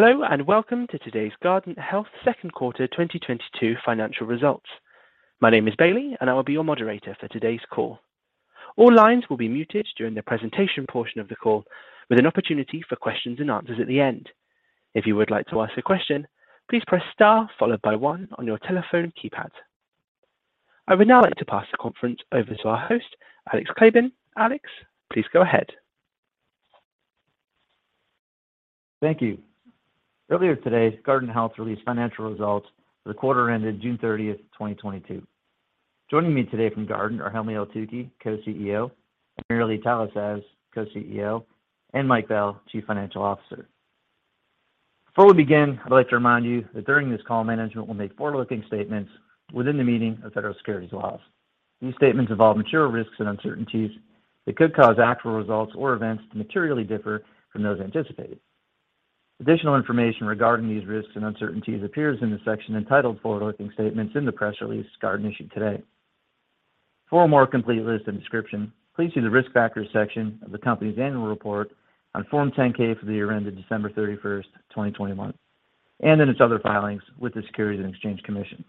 Hello and welcome to today's Guardant Health second quarter 2022 financial results. My name is Bailey, and I will be your moderator for today's call. All lines will be muted during the presentation portion of the call, with an opportunity for questions and answers at the end. If you would like to ask a question, please press star followed by one on your telephone keypad. I would now like to pass the conference over to our host, Alex Kleban. Alex, please go ahead. Thank you. Earlier today, Guardant Health released financial results for the quarter ended June 30, 2022. Joining me today from Guardant are Helmy Eltoukhy, Co-CEO, AmirAli Talasaz, Co-CEO, and Mike Bell, Chief Financial Officer. Before we begin, I'd like to remind you that during this call, management will make forward-looking statements within the meaning of federal securities laws. These statements involve material risks and uncertainties that could cause actual results or events to materially differ from those anticipated. Additional information regarding these risks and uncertainties appears in the section entitled Forward-Looking Statements in the press release Guardant issued today. For a more complete list and description, please see the Risk Factors section of the company's annual report on Form 10-K for the year ended December 31st, 2021, and in its other filings with the Securities and Exchange Commission.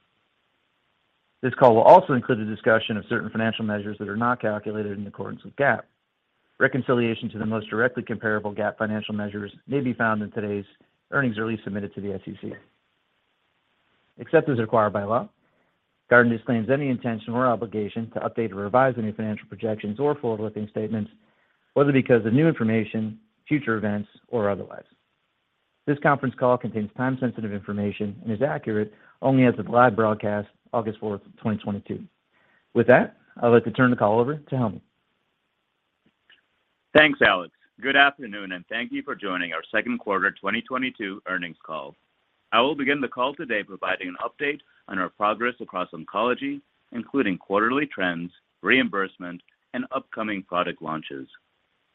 This call will also include a discussion of certain financial measures that are not calculated in accordance with GAAP. Reconciliation to the most directly comparable GAAP financial measures may be found in today's earnings release submitted to the SEC. Except as required by law, Guardant disclaims any intention or obligation to update or revise any financial projections or forward-looking statements, whether because of new information, future events, or otherwise. This conference call contains time-sensitive information and is accurate only as of the live broadcast August 4th, 2022. With that, I'd like to turn the call over to Helmy. Thanks, Alex. Good afternoon, and thank you for joining our second quarter 2022 earnings call. I will begin the call today providing an update on our progress across oncology, including quarterly trends, reimbursement, and upcoming product launches.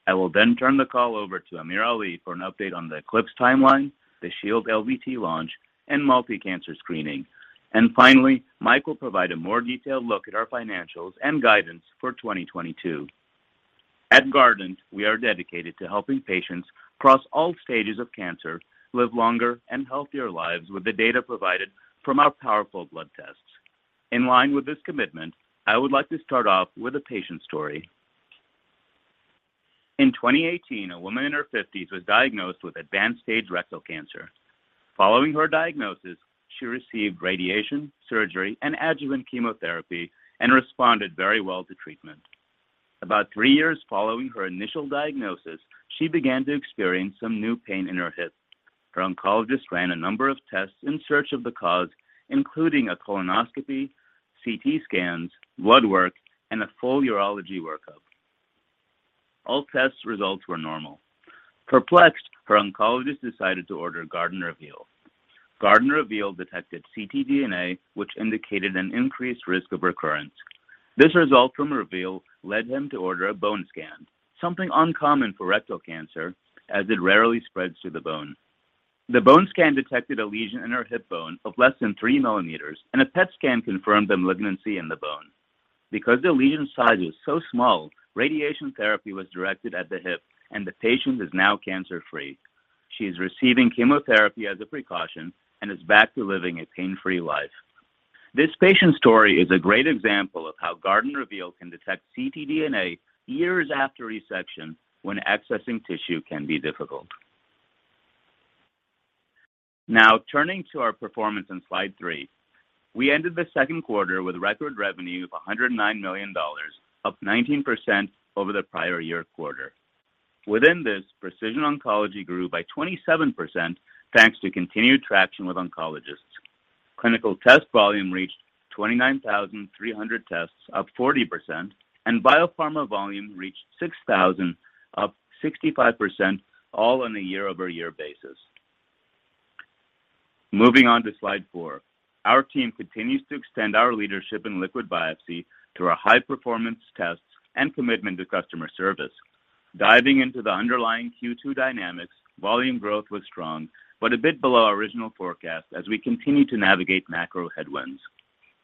I will then turn the call over to AmirAli for an update on the ECLIPSE timeline, the Shield LDT launch, and multi-cancer screening. Finally, Mike will provide a more detailed look at our financials and guidance for 2022. At Guardant, we are dedicated to helping patients across all stages of cancer live longer and healthier lives with the data provided from our powerful blood tests. In line with this commitment, I would like to start off with a patient story. In 2018, a woman in her 50s was diagnosed with advanced stage rectal cancer. Following her diagnosis, she received radiation, surgery, and adjuvant chemotherapy and responded very well to treatment. About three years following her initial diagnosis, she began to experience some new pain in her hip. Her oncologist ran a number of tests in search of the cause, including a colonoscopy, CT scans, blood work, and a full urology workup. All test results were normal. Perplexed, her oncologist decided to order Guardant Reveal. Guardant Reveal detected ctDNA, which indicated an increased risk of recurrence. This result from Reveal led him to order a bone scan, something uncommon for rectal cancer as it rarely spreads to the bone. The bone scan detected a lesion in her hip bone of less than 3 mm, and a PET scan confirmed the malignancy in the bone. Because the lesion size was so small, radiation therapy was directed at the hip, and the patient is now cancer-free. She is receiving chemotherapy as a precaution and is back to living a pain-free life. This patient story is a great example of how Guardant Reveal can detect ctDNA years after resection when accessing Tissue can be difficult. Now turning to our performance on slide three. We ended the second quarter with record revenue of $109 million, up 19% over the prior year quarter. Within this, precision oncology grew by 27%, thanks to continued traction with oncologists. Clinical test volume reached 29,300 tests, up 40%, and biopharma volume reached 6,000, up 65%, all on a year-over-year basis. Moving on to slide four. Our team continues to extend our leadership in liquid biopsy through our high-performance tests and commitment to customer service. Diving into the underlying Q2 dynamics, volume growth was strong but a bit below our original forecast as we continue to navigate macro headwinds.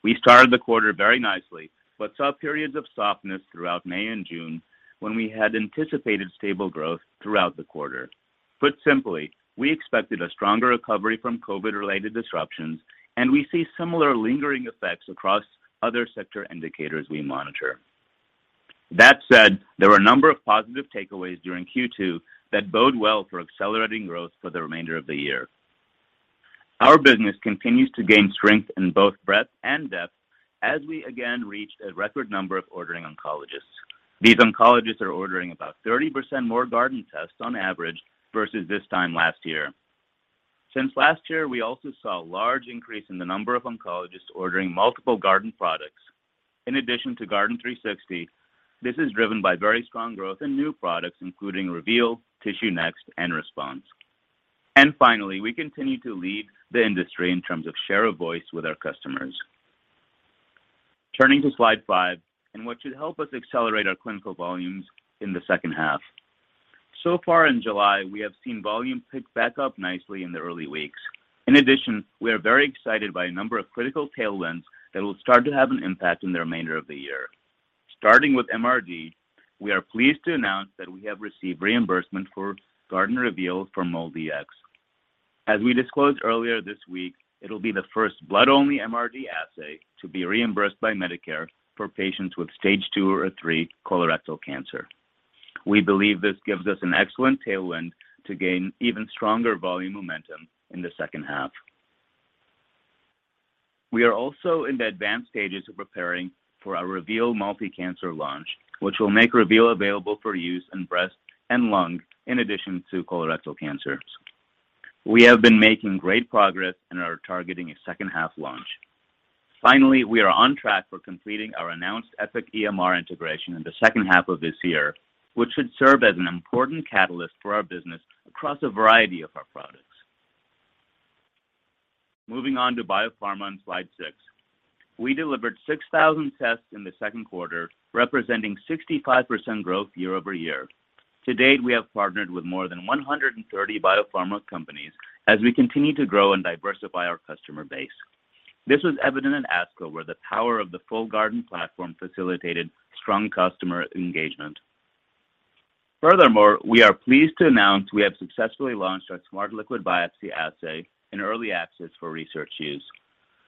We started the quarter very nicely but saw periods of softness throughout May and June when we had anticipated stable growth throughout the quarter. Put simply, we expected a stronger recovery from COVID-related disruptions, and we see similar lingering effects across other sector indicators we monitor. That said, there were a number of positive takeaways during Q2 that bode well for accelerating growth for the remainder of the year. Our business continues to gain strength in both breadth and depth as we again reach a record number of ordering oncologists. These oncologists are ordering about 30% more Guardant tests on average versus this time last year. Since last year, we also saw a large increase in the number of oncologists ordering multiple Guardant products. In addition to Guardant360, this is driven by very strong growth in new products, including Reveal, TissueNext, and Response. Finally, we continue to lead the industry in terms of share of voice with our customers. Turning to slide five and what should help us accelerate our clinical volumes in the second half. So far in July, we have seen volume pick back up nicely in the early weeks. In addition, we are very excited by a number of critical tailwinds that will start to have an impact in the remainder of the year. Starting with MRD, we are pleased to announce that we have received reimbursement for Guardant Reveal for MolDX. As we disclosed earlier this week, it'll be the first blood-only MRD assay to be reimbursed by Medicare for patients with stage two or three colorectal cancer. We believe this gives us an excellent tailwind to gain even stronger volume momentum in the second half. We are also in the advanced stages of preparing for our Reveal multi-cancer launch, which will make Reveal available for use in breast and lung, in addition to colorectal cancers. We have been making great progress and are targeting a second half launch. Finally, we are on track for completing our announced Epic EMR integration in the second half of this year, which should serve as an important catalyst for our business across a variety of our products. Moving on to biopharma on slide six. We delivered 6,000 tests in the second quarter, representing 65% growth year-over-year. To date, we have partnered with more than 130 biopharma companies as we continue to grow and diversify our customer base. This was evident in ASCO, where the power of the full Guardant platform facilitated strong customer engagement. Furthermore, we are pleased to announce we have successfully launched our smart liquid biopsy assay in early access for research use.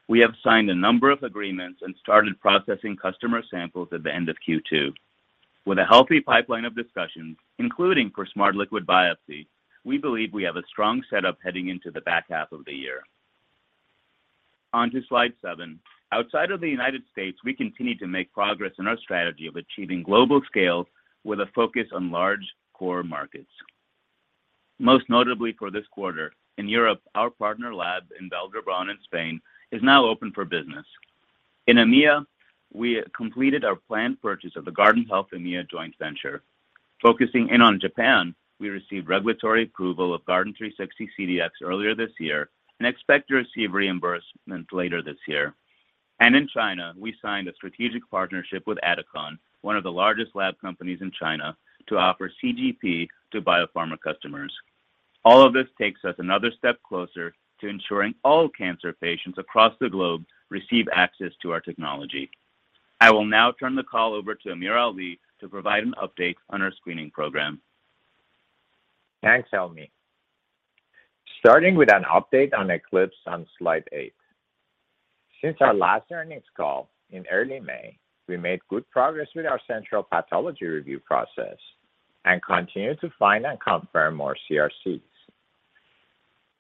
We have signed a number of agreements and started processing customer samples at the end of Q2. With a healthy pipeline of discussions, including for smart liquid biopsy, we believe we have a strong setup heading into the back half of the year. On to slide seven. Outside of the United States, we continue to make progress in our strategy of achieving global scale with a focus on large core markets. Most notably for this quarter, in Europe, our partner lab in Vall d'Hebron in Spain is now open for business. In EMEA, we completed our planned purchase of the Guardant Health EMEA joint venture. Focusing in on Japan, we received regulatory approval of Guardant360 CDx earlier this year and expect to receive reimbursement later this year. In China, we signed a strategic partnership with Adicon, one of the largest lab companies in China, to offer CGP to biopharma customers. All of this takes us another step closer to ensuring all cancer patients across the globe receive access to our technology. I will now turn the call over to AmirAli to provide an update on our screening program. Thanks, Helmy. Starting with an update on ECLIPSE on slide eight. Since our last earnings call in early May, we made good progress with our central pathology review process and continue to find and confirm more CRCs.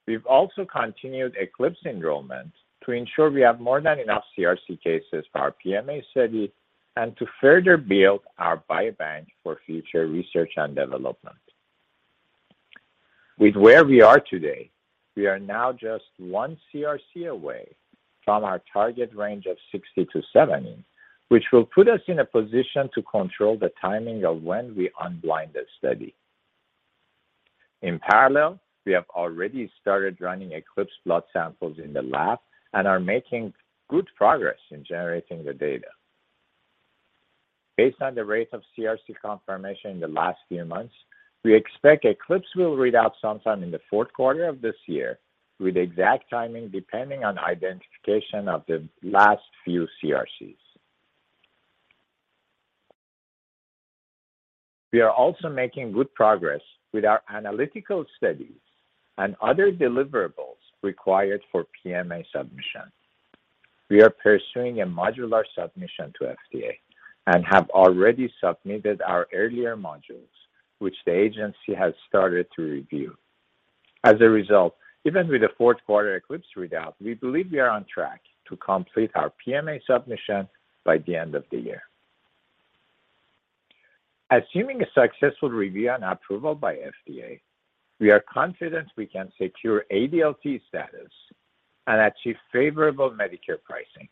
We've also continued ECLIPSE enrollment to ensure we have more than enough CRC cases for our PMA study and to further build our biobank for future research and development. With where we are today, we are now just one CRC away from our target range of 60-70, which will put us in a position to control the timing of when we unblind the study. In parallel, we have already started running ECLIPSE blood samples in the lab and are making good progress in generating the data. Based on the rate of CRC confirmation in the last few months, we expect ECLIPSE will read out sometime in the fourth quarter of this year, with exact timing depending on identification of the last few CRCs. We are also making good progress with our analytical studies and other deliverables required for PMA submission. We are pursuing a modular submission to FDA and have already submitted our earlier modules, which the agency has started to review. As a result, even with a fourth quarter ECLIPSE readout, we believe we are on track to complete our PMA submission by the end of the year. Assuming a successful review and approval by FDA, we are confident we can secure ADLT status and achieve favorable Medicare pricing.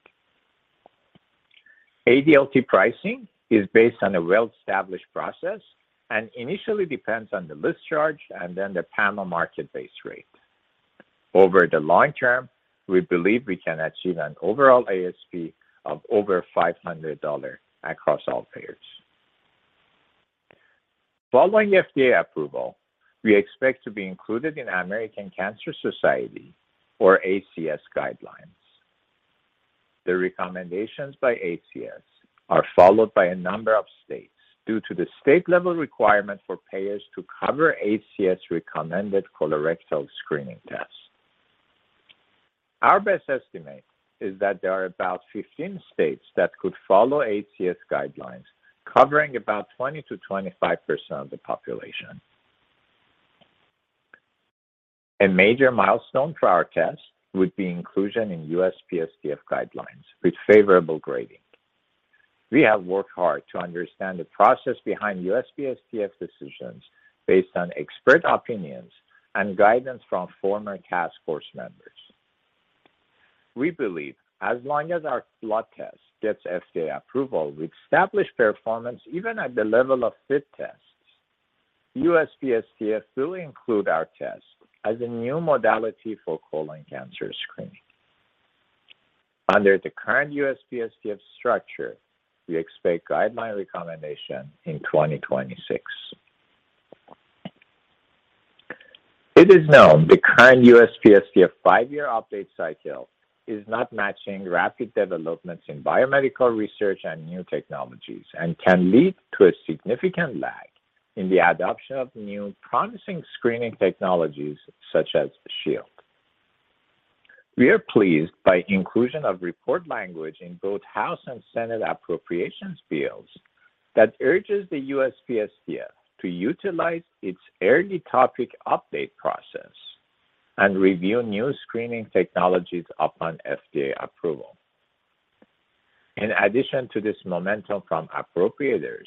ADLT pricing is based on a well-established process and initially depends on the list charge and then the PAMA market-based rate. Over the long term, we believe we can achieve an overall ASP of over $500 across all payers. Following FDA approval, we expect to be included in American Cancer Society or ACS guidelines. The recommendations by ACS are followed by a number of states due to the state level requirement for payers to cover ACS recommended colorectal screening tests. Our best estimate is that there are about 15 states that could follow ACS guidelines covering about 20%-25% of the population. A major milestone for our test would be inclusion in USPSTF guidelines with favorable grading. We have worked hard to understand the process behind USPSTF decisions based on expert opinions and guidance from former task force members. We believe as long as our blood test gets FDA approval, we establish performance even at the level of FIT tests. USPSTF will include our test as a new modality for colon cancer screening. Under the current USPSTF structure, we expect guideline recommendation in 2026. It is known the current USPSTF five-year update cycle is not matching rapid developments in biomedical research and new technologies, and can lead to a significant lag in the adoption of new promising screening technologies such as Shield. We are pleased by inclusion of report language in both House and Senate appropriations bills that urges the USPSTF to utilize its early topic update process and review new screening technologies upon FDA approval. In addition to this momentum from appropriators,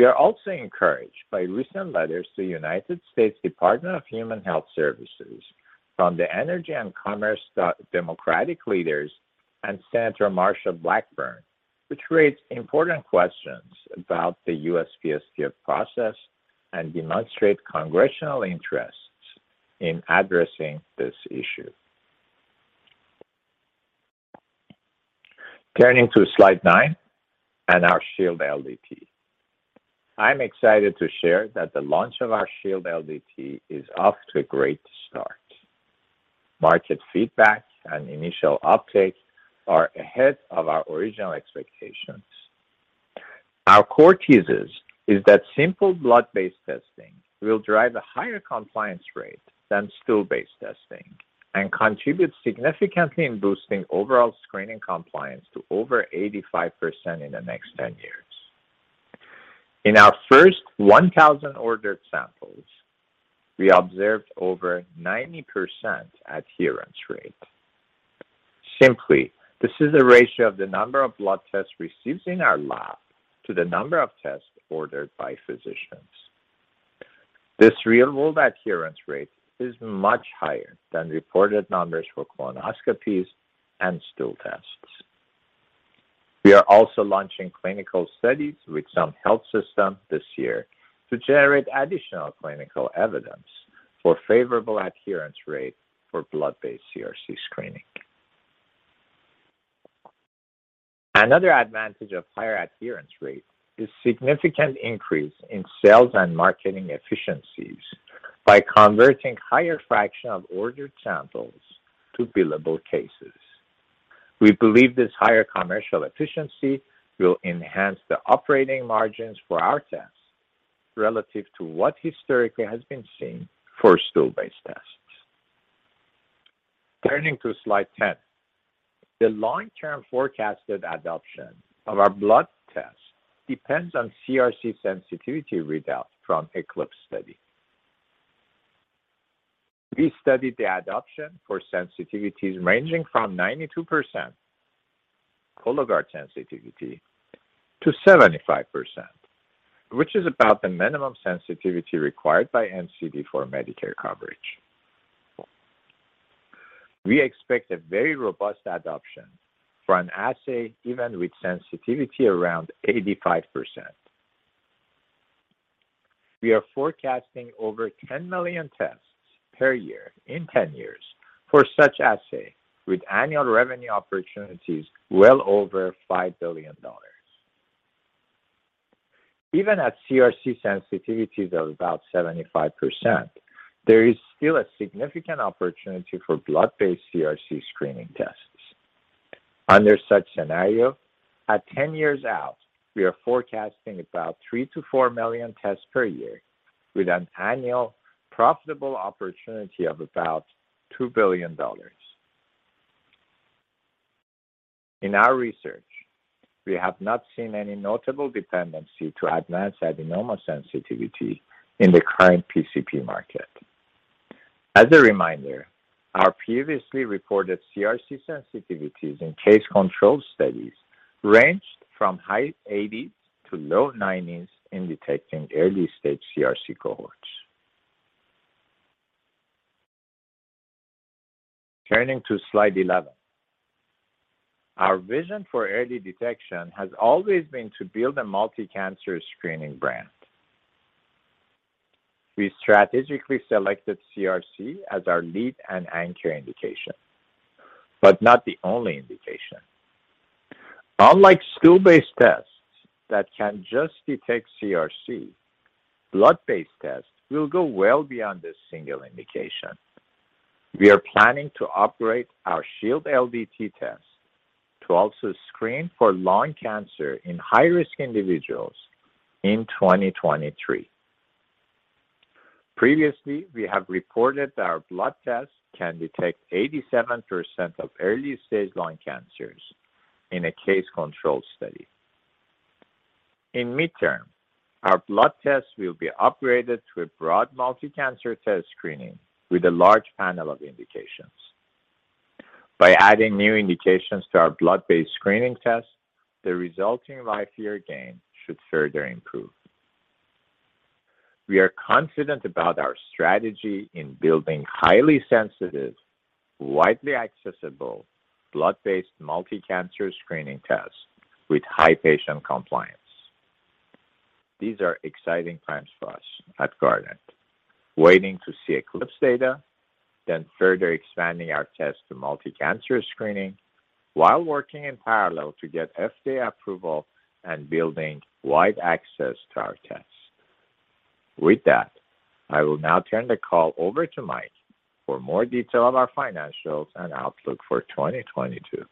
we are also encouraged by recent letters to United States Department of Health and Human Services from the Energy and Commerce Democratic leaders and Senator Marsha Blackburn, which raised important questions about the USPSTF process and demonstrate congressional interests in addressing this issue. Turning to slide nine and our Shield LDT. I'm excited to share that the launch of our Shield LDT is off to a great start. Market feedback and initial updates are ahead of our original expectations. Our core thesis is that simple blood-based testing will drive a higher compliance rate than stool-based testing and contribute significantly in boosting overall screening compliance to over 85% in the next 10 years. In our first 1,000 ordered samples, we observed over 90% adherence rate. Simply, this is a ratio of the number of blood tests received in our lab to the number of tests ordered by physicians. This real-world adherence rate is much higher than reported numbers for colonoscopies and stool tests. We are also launching clinical studies with some health systems this year to generate additional clinical evidence for favorable adherence rate for blood-based CRC screening. Another advantage of higher adherence rate is significant increase in sales and marketing efficiencies by converting higher fraction of ordered samples to billable cases. We believe this higher commercial efficiency will enhance the operating margins for our tests relative to what historically has been seen for stool-based tests. Turning to slide 10. The long-term forecasted adoption of our blood test depends on CRC sensitivity readout from ECLIPSE study. We studied the adoption for sensitivities ranging from 92%, Cologuard sensitivity, to 75%, which is about the minimum sensitivity required by NCD for Medicare coverage. We expect a very robust adoption for an assay even with sensitivity around 85%. We are forecasting over 10 million tests per year in 10 years for such assay with annual revenue opportunities well over $5 billion. Even at CRC sensitivities of about 75%, there is still a significant opportunity for blood-based CRC screening tests. Under such scenario, at 10 years out, we are forecasting about 3-4 million tests per year with an annual profitable opportunity of about $2 billion. In our research, we have not seen any notable dependency to advanced adenoma sensitivity in the current PCP market. As a reminder, our previously reported CRC sensitivities in case-control studies ranged from high 80s to low 90s in detecting early-stage CRC cohorts. Turning to slide 11. Our vision for early detection has always been to build a multi-cancer screening brand. We strategically selected CRC as our lead and anchor indication, but not the only indication. Unlike stool-based tests that can just detect CRC, blood-based tests will go well beyond this single indication. We are planning to operate our Shield LDT test to also screen for lung cancer in high-risk individuals in 2023. Previously, we have reported that our blood test can detect 87% of early-stage lung cancers in a case-control study. In midterm, our blood test will be upgraded to a broad multi-cancer test screening with a large panel of indications. By adding new indications to our blood-based screening test, the resulting life year gain should further improve. We are confident about our strategy in building highly sensitive, widely accessible, blood-based multi-cancer screening test with high patient compliance. These are exciting times for us at Guardant. Waiting to see ECLIPSE data, then further expanding our test to multi-cancer screening while working in parallel to get FDA approval and building wide access to our tests. With that, I will now turn the call over to Mike for more detail on our financials and outlook for 2022.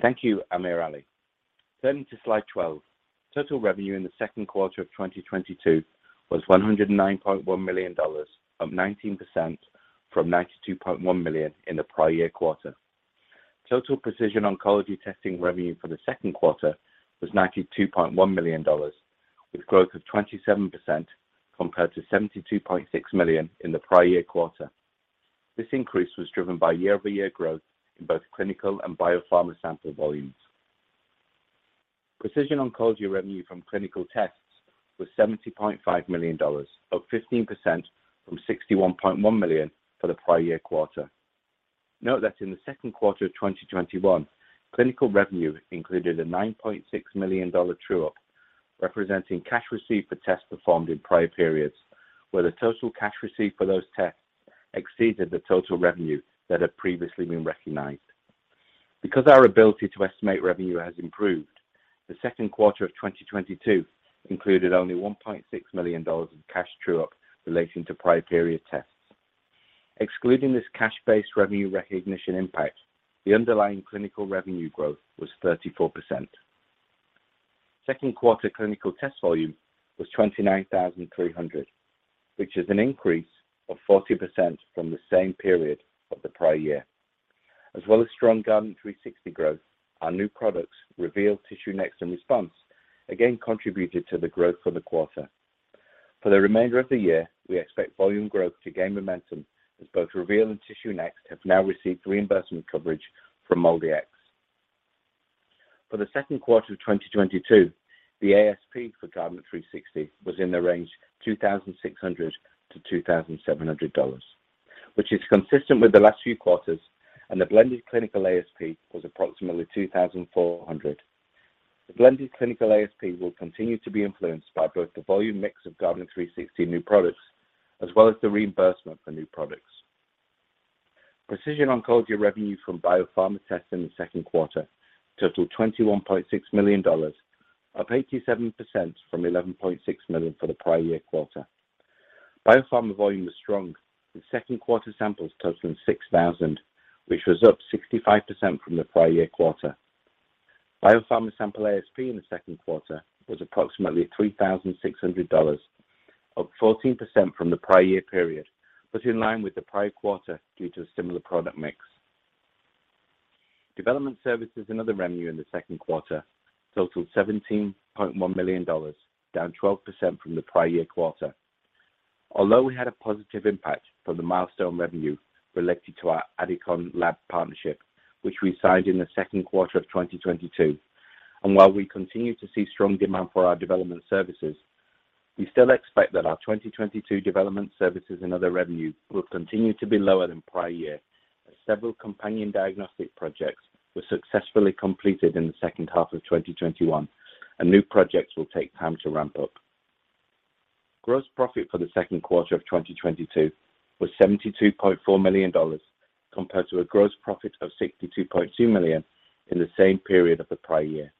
Thank you, AmirAli. Turning to slide 12. Total revenue in the second quarter of 2022 was $109.1 million, up 19% from $92.1 million in the prior year quarter. Total precision oncology testing revenue for the second quarter was $92.1 million, with growth of 27% compared to $72.6 million in the prior year quarter. This increase was driven by year-over-year growth in both clinical and biopharma sample volumes. Precision oncology revenue from clinical tests was $70.5 million, up 15% from $61.1 million for the prior year quarter. Note that in the second quarter of 2021, clinical revenue included a $9.6 million true-up, representing cash received for tests performed in prior periods, where the total cash received for those tests exceeded the total revenue that had previously been recognized. Because our ability to estimate revenue has improved, the second quarter of 2022 included only $1.6 million in cash true-up relating to prior period tests. Excluding this cash-based revenue recognition impact, the underlying clinical revenue growth was 34%. Second quarter clinical test volume was 29,300, which is an increase of 40% from the same period of the prior year. As well as strong Guardant360 growth, our new products, Reveal, TissueNext and Response, again contributed to the growth for the quarter. For the remainder of the year, we expect volume growth to gain momentum as both Reveal and TissueNext have now received reimbursement coverage from MolDX. For the second quarter of 2022, the ASP for Guardant360 was in the range $2,600-$2,700, which is consistent with the last few quarters, and the blended clinical ASP was approximately $2,400. The blended clinical ASP will continue to be influenced by both the volume mix of Guardant360 new products as well as the reimbursement for new products. Precision oncology revenue from biopharma tests in the second quarter totaled $21.6 million, up 87% from $11.6 million for the prior year quarter. Biopharma volume was strong, with second quarter samples totaling 6,000, which was up 65% from the prior year quarter. Biopharma sample ASP in the second quarter was approximately $3,600, up 14% from the prior year period, but in line with the prior quarter due to a similar product mix. Development services and other revenue in the second quarter totaled $17.1 million, down 12% from the prior year quarter. Although we had a positive impact from the milestone revenue related to our Adicon lab partnership, which we signed in the second quarter of 2022, and while we continue to see strong demand for our development services, we still expect that our 2022 development services and other revenue will continue to be lower than prior year as several companion diagnostic projects were successfully completed in the second half of 2021, and new projects will take time to ramp up. Gross profit for the second quarter of 2022 was $72.4 million, compared to a gross profit of $62.2 million in the same period of the prior year.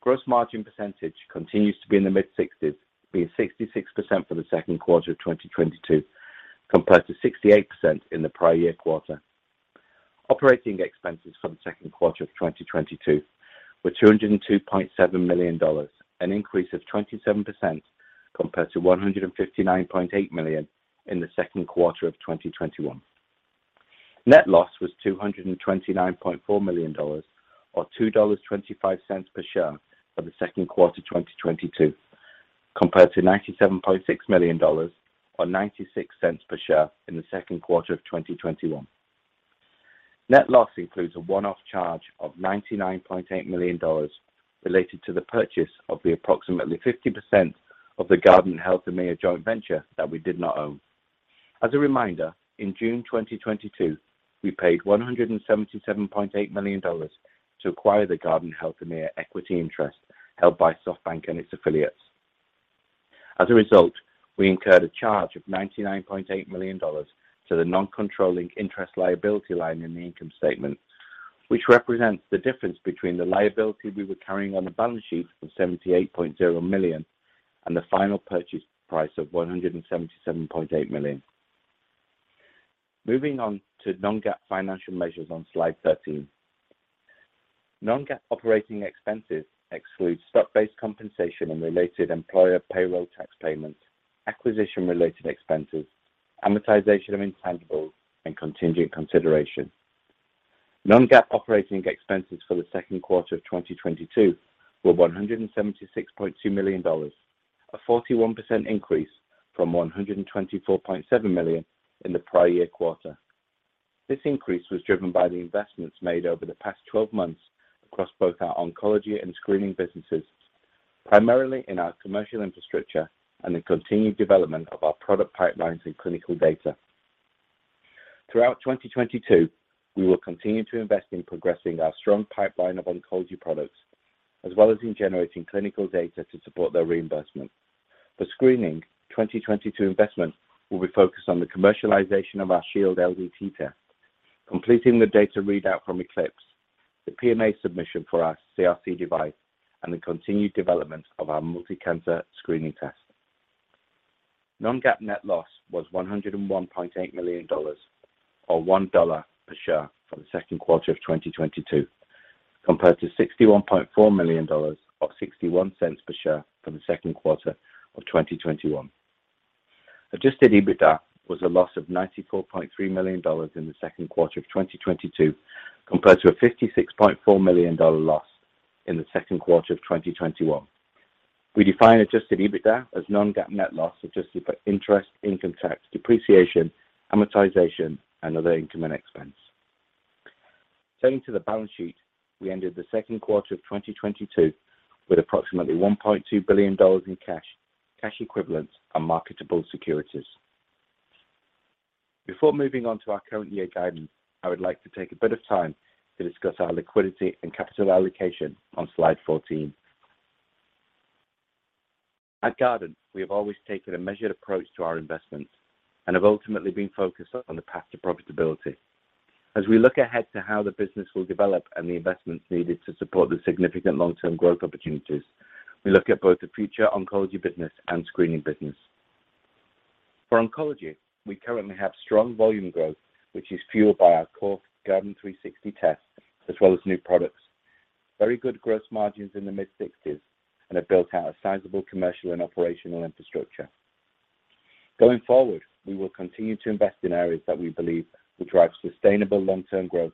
Gross margin percentage continues to be in the mid-60s, being 66% for the second quarter of 2022, compared to 68% in the prior year quarter. Operating expenses for the second quarter of 2022 were $202.7 million, an increase of 27% compared to $159.8 million in the second quarter of 2021. Net loss was $229.4 million, or $2.25 per share for the second quarter of 2022, compared to $97.6 million or $0.96 per share in the second quarter of 2021. Net loss includes a one-off charge of $99.8 million related to the purchase of the approximately 50% of the Guardant Health AMEA joint venture that we did not own. As a reminder, in June 2022, we paid $177.8 million to acquire the Guardant Health AMEA equity interest held by SoftBank and its affiliates. As a result, we incurred a charge of $99.8 million to the non-controlling interest liability line in the income statement, which represents the difference between the liability we were carrying on the balance sheet of $78.0 million and the final purchase price of $177.8 million. Moving on to non-GAAP financial measures on slide 13. Non-GAAP operating expenses exclude stock-based compensation and related employer payroll tax payments, acquisition-related expenses, amortization of intangibles, and contingent consideration. Non-GAAP operating expenses for the second quarter of 2022 were $176.2 million, a 41% increase from $124.7 million in the prior-year quarter. This increase was driven by the investments made over the past 12 months across both our oncology and screening businesses, primarily in our commercial infrastructure and the continued development of our product pipelines and clinical data. Throughout 2022, we will continue to invest in progressing our strong pipeline of oncology products as well as in generating clinical data to support their reimbursement. For screening, 2022 investment will be focused on the commercialization of our Shield LDT test, completing the data readout from ECLIPSE, the PMA submission for our CRC device, and the continued development of our multi-cancer screening test. Non-GAAP net loss was $101.8 million or $1 per share for the second quarter of 2022, compared to $61.4 million or $0.61 per share for the second quarter of 2021. Adjusted EBITDA was a loss of $94.3 million in the second quarter of 2022, compared to a $56.4 million loss in the second quarter of 2021. We define adjusted EBITDA as non-GAAP net loss, adjusted for interest, income tax, depreciation, amortization, and other income and expense. Turning to the balance sheet, we ended the second quarter of 2022 with approximately $1.2 billion in cash equivalents, and marketable securities. Before moving on to our current year guidance, I would like to take a bit of time to discuss our liquidity and capital allocation on slide 14. At Guardant, we have always taken a measured approach to our investments and have ultimately been focused on the path to profitability. As we look ahead to how the business will develop and the investments needed to support the significant long-term growth opportunities, we look at both the future oncology business and screening business. For oncology, we currently have strong volume growth, which is fueled by our core Guardant360 tests as well as new products. Very good gross margins in the mid-60s% and have built out a sizable commercial and operational infrastructure. Going forward, we will continue to invest in areas that we believe will drive sustainable long-term growth,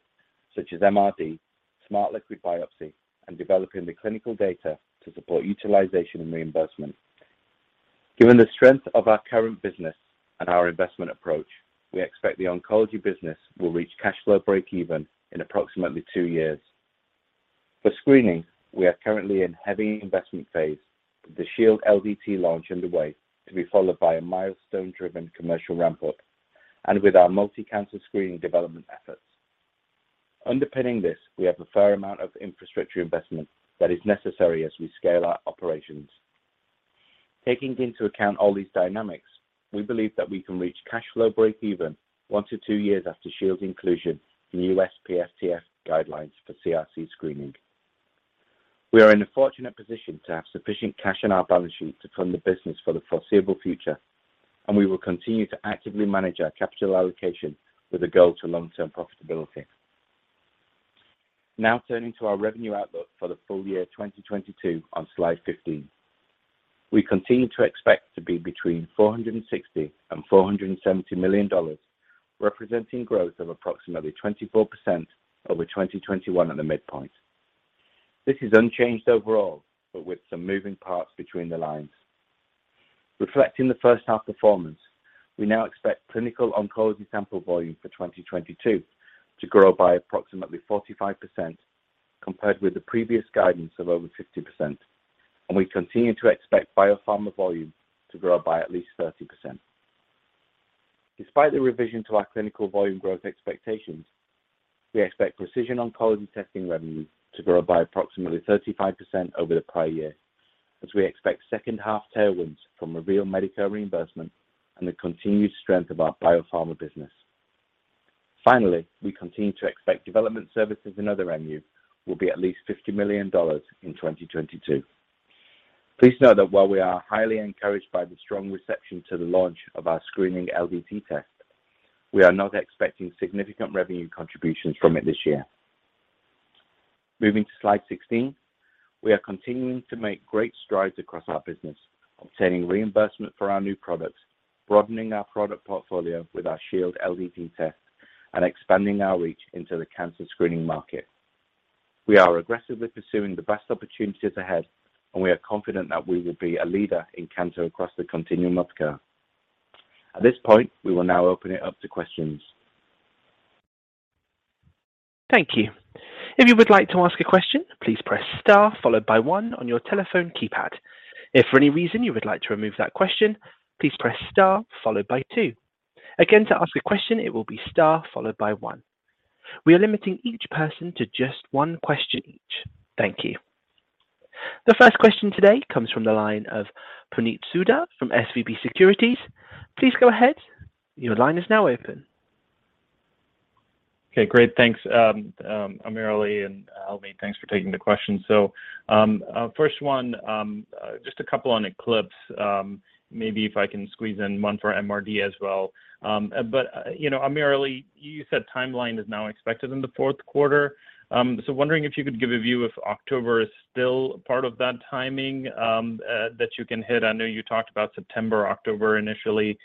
such as MRD, smart liquid biopsy, and developing the clinical data to support utilization and reimbursement. Given the strength of our current business and our investment approach, we expect the oncology business will reach cash flow breakeven in approximately two years. For screening, we are currently in heavy investment phase with the Shield LDT launch underway to be followed by a milestone-driven commercial ramp-up and with our multi-cancer screening development efforts. Underpinning this, we have a fair amount of infrastructure investment that is necessary as we scale our operations. Taking into account all these dynamics, we believe that we can reach cash flow breakeven one to two years after Shield's inclusion in the USPSTF guidelines for CRC screening. We are in a fortunate position to have sufficient cash on our balance sheet to fund the business for the foreseeable future, and we will continue to actively manage our capital allocation with a goal to long-term profitability. Now turning to our revenue outlook for the full year 2022 on slide 15. We continue to expect to be between $460 million and $470 million, representing growth of approximately 24% over 2021 at the midpoint. This is unchanged overall, but with some moving parts between the lines. Reflecting the first half performance, we now expect clinical oncology sample volume for 2022 to grow by approximately 45% compared with the previous guidance of over 50%. We continue to expect biopharma volume to grow by at least 30%. Despite the revision to our clinical volume growth expectations, we expect precision oncology testing revenue to grow by approximately 35% over the prior year as we expect second half tailwinds from real Medicare reimbursement and the continued strength of our biopharma business. Finally, we continue to expect development services and other revenue will be at least $50 million in 2022. Please note that while we are highly encouraged by the strong reception to the launch of our screening LDT test, we are not expecting significant revenue contributions from it this year. Moving to slide 16. We are continuing to make great strides across our business, obtaining reimbursement for our new products, broadening our product portfolio with our Shield LDT test, and expanding our reach into the cancer screening market. We are aggressively pursuing the best opportunities ahead, and we are confident that we will be a leader in cancer across the continuum of care. At this point, we will now open it up to questions. Thank you. If you would like to ask a question, please press star followed by one on your telephone keypad. If for any reason you would like to remove that question, please press star followed by two. Again, to ask a question, it will be star followed by one. We are limiting each person to just one question each. Thank you. The first question today comes from the line of Puneet Souda from SVB Securities. Please go ahead. Your line is now open. Okay, great. Thanks, AmirAli and Helmy. Thanks for taking the questions. First one, just a couple on ECLIPSE. Maybe if I can squeeze in one for MRD as well. But you know, AmirAli, you said timeline is now expected in the fourth quarter. Wondering if you could give a view if October is still part of that timing that you can hit. I know you talked about September, October initially.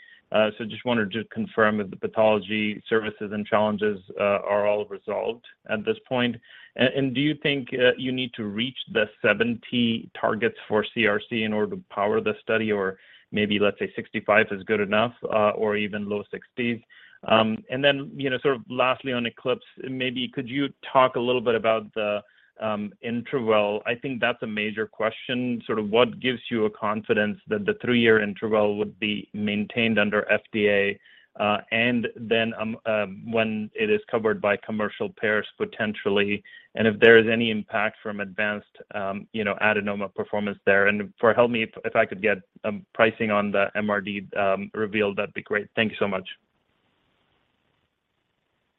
Just wanted to confirm if the pathology services and challenges are all resolved at this point. And do you think you need to reach the 70 targets for CRC in order to power the study? Or maybe let's say 65 is good enough, or even low 60s. You know, sort of lastly on ECLIPSE, maybe could you talk a little bit about the interval? I think that's a major question. Sort of what gives you a confidence that the three-year interval would be maintained under FDA, and then when it is covered by commercial payers potentially, and if there is any impact from advanced, you know, adenoma performance there. For Helmy, if I could get pricing on the MRD Reveal, that'd be great. Thank you so much.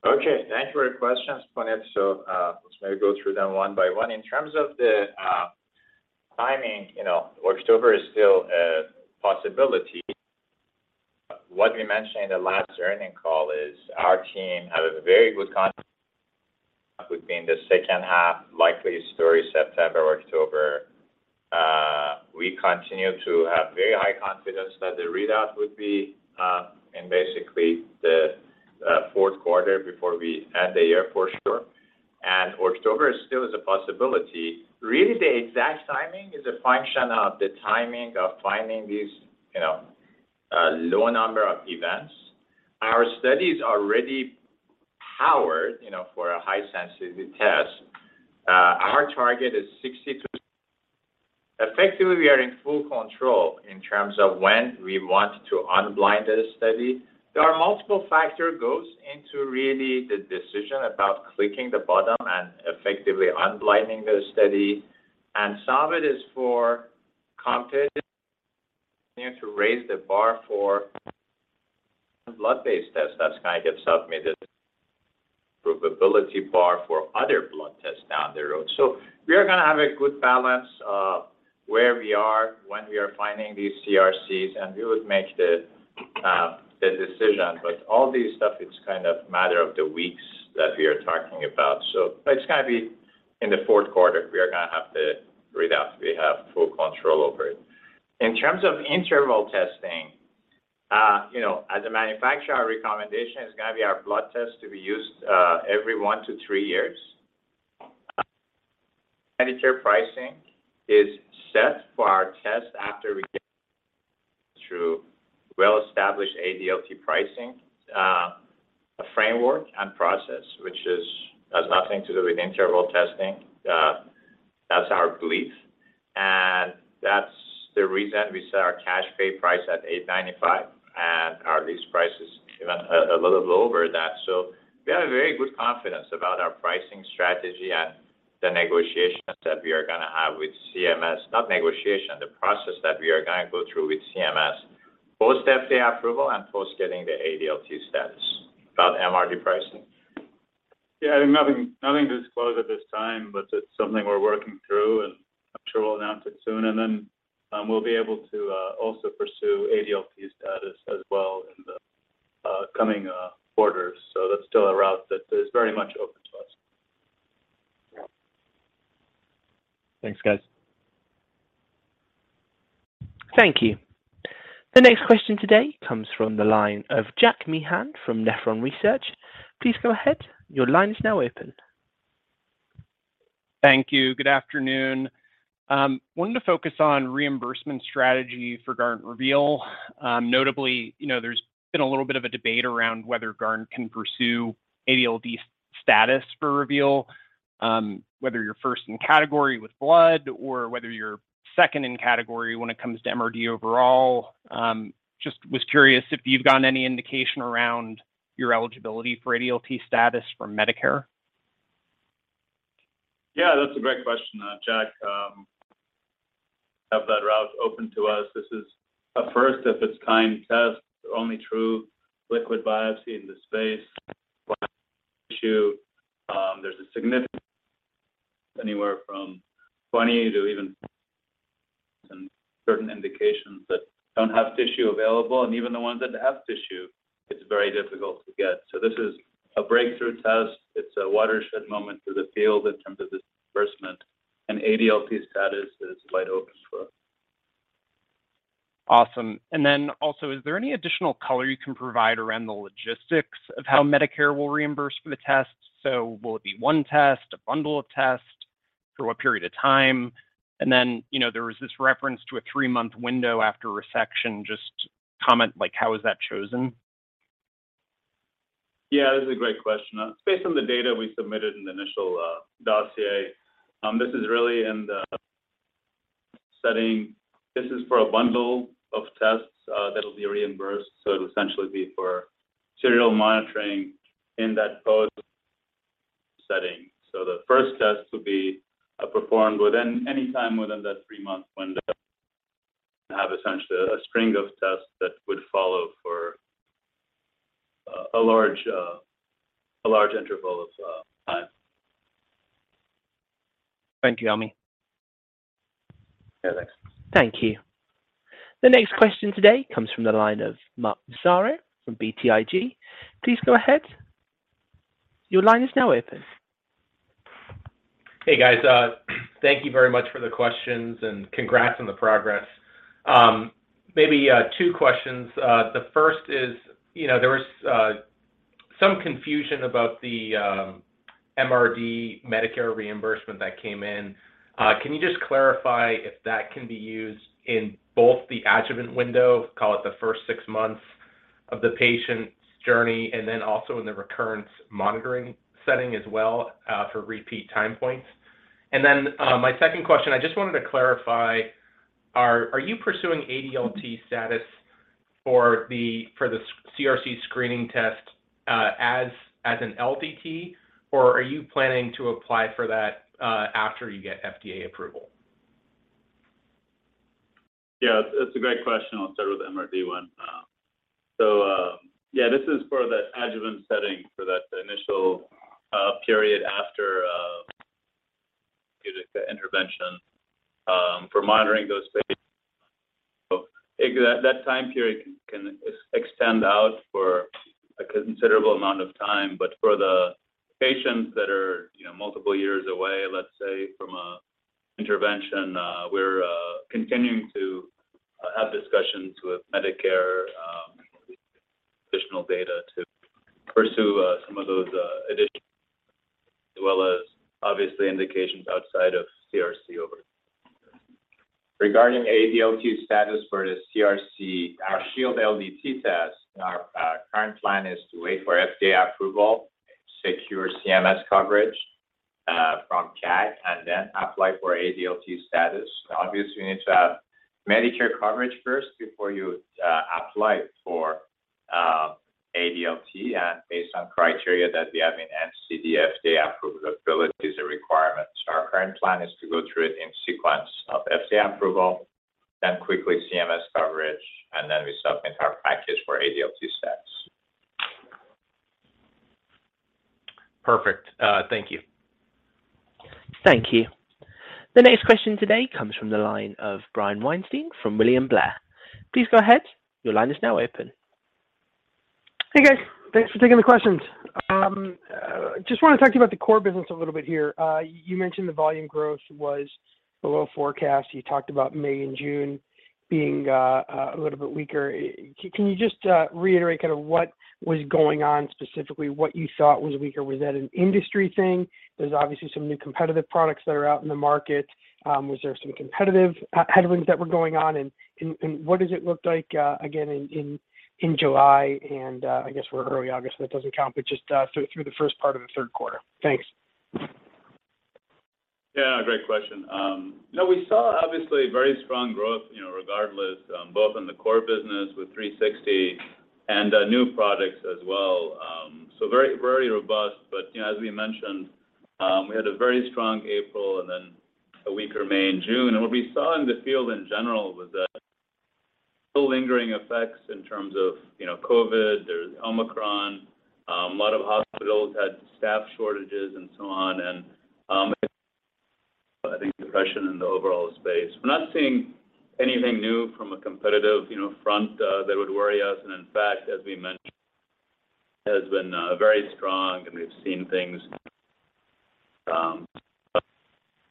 Okay. Thank you for your questions, Puneet. Let's maybe go through them one by one. In terms of the timing, you know, October is still a possibility. What we mentioned in the last earnings call is would be in the second half, likely sort of September, October. We continue to have very high confidence that the readout would be in basically the fourth quarter before we end the year for sure. October still is a possibility. Really, the exact timing is a function of the timing of finding these, you know, low number of events. Our studies are already powered, you know, for a high sensitivity test. Our target is 62. Effectively, we are in full control in terms of when we want to unblind the study. There are multiple factors go into really the decision about clicking the button and effectively unblinding the study. Some of it is for competition to raise the bar for blood-based test that's gonna get submitted, proof ability bar for other blood tests down the road. We are gonna have a good balance of where we are, when we are finding these CRCs, and we would make the decision. All this stuff is kind of matter of the weeks that we are talking about. It's gonna be in the fourth quarter, we are gonna have the readout. We have full control over it. In terms of interval testing, you know, as a manufacturer, our recommendation is gonna be our blood test to be used every one to three years. Medicare pricing is set for our test after we get through well-established ADLT pricing, a framework and process, which has nothing to do with interval testing. That's our belief, and that's the reason we set our cash pay price at $895, and our list price is even a little lower than that. We have a very good confidence about our pricing strategy and the negotiations that we are gonna have with CMS. Not negotiation, the process that we are gonna go through with CMS, post FDA approval and post getting the ADLT status about MRD pricing. Yeah. Nothing to disclose at this time, but it's something we're working through, and I'm sure we'll announce it soon. We'll be able to also pursue ADLT status as well in the coming quarters. That's still a route that is very much open to us. Yeah. Thanks, guys. Thank you. The next question today comes from the line of Jack Meehan from Nephron Research. Please go ahead. Your line is now open. Thank you. Good afternoon. Wanted to focus on reimbursement strategy for Guardant Reveal. Notably, you know, there's been a little bit of a debate around whether Guardant can pursue ADLT status for Reveal, whether you're first in category with blood or whether you're second in category when it comes to MRD overall. Just was curious if you've gotten any indication around your eligibility for ADLT status from Medicare? Yeah, that's a great question, Jack. Have that route open to us. This is a first of its kind test, the only true liquid biopsy in this space issue. There's a significant anywhere from 20 to even certain indications that don't have Tissue available, and even the ones that have Tissue, it's very difficult to get. This is a breakthrough test. It's a watershed moment for the field in terms of disbursement, and ADLT status is wide open for us. Awesome. Is there any additional color you can provide around the logistics of how Medicare will reimburse for the test? Will it be one test, a bundle of tests for a period of time? You know, there was this reference to a three-month window after resection. Just comment, like, how is that chosen? Yeah, this is a great question. It's based on the data we submitted in the initial dossier. This is really in the setting. This is for a bundle of tests that will be reimbursed. It'll essentially be for serial monitoring in that post setting. The first test will be performed within any time within that three-month window, have essentially a string of tests that would follow for a large interval of time. Thank you, Helmy. Yeah, thanks. Thank you. The next question today comes from the line of Mark Massaro from BTIG. Please go ahead. Your line is now open. Hey, guys. Thank you very much for the questions, and congrats on the progress. Maybe two questions. The first is, you know, there was some confusion about the MRD Medicare reimbursement that came in. Can you just clarify if that can be used in both the adjuvant window, call it the first six months of the patient's journey, and then also in the recurrence monitoring setting as well, for repeat time points? And then, my second question, I just wanted to clarify, are you pursuing ADLT status for the CRC screening test, as an LDT, or are you planning to apply for that, after you get FDA approval? Yeah, that's a great question. I'll start with the MRD one. Yeah, this is for the adjuvant setting for that initial period after the intervention for monitoring those patients. That time period can extend out for a considerable amount of time. For the patients that are, you know, multiple years away, let's say, from a intervention, we're continuing to have discussions with Medicare, additional data to pursue, some of those, additions as well as obviously indications outside of CRC. Regarding ADLT status for the CRC, our Shield LDT test and our current plan is to wait for FDA approval, secure CMS coverage from CAG, and then apply for ADLT status. Obviously, you need to have Medicare coverage first before you apply for ADLT and based on criteria that we have in NCD, FDA approval ability is a requirement. Our current plan is to go through it in sequence of FDA approval, then quickly CMS coverage, and then we submit our package for ADLT status. Perfect. Thank you. Thank you. The next question today comes from the line of Brian Weinstein from William Blair. Please go ahead. Your line is now open. Hey, guys. Thanks for taking the questions. Just want to talk to you about the core business a little bit here. You mentioned the volume growth was below forecast. You talked about May and June being a little bit weaker. Can you just reiterate kind of what was going on, specifically what you thought was weaker? Was that an industry thing? There's obviously some new competitive products that are out in the market. Was there some competitive headwinds that were going on? What does it look like again in July and I guess we're early August, so that doesn't count, but just through the first part of the third quarter? Thanks. Yeah. Great question. You know, we saw obviously very strong growth, you know, regardless, both in the core business with Guardant360 and new products as well. Very, very robust. You know, as we mentioned, we had a very strong April and then a weaker May and June. What we saw in the field in general was that lingering effects in terms of, you know, COVID. There was Omicron. A lot of hospitals had staff shortages and so on. I think depression in the overall space. We're not seeing anything new from a competitive, you know, front, that would worry us. In fact, as we mentioned, has been very strong, and we've seen things.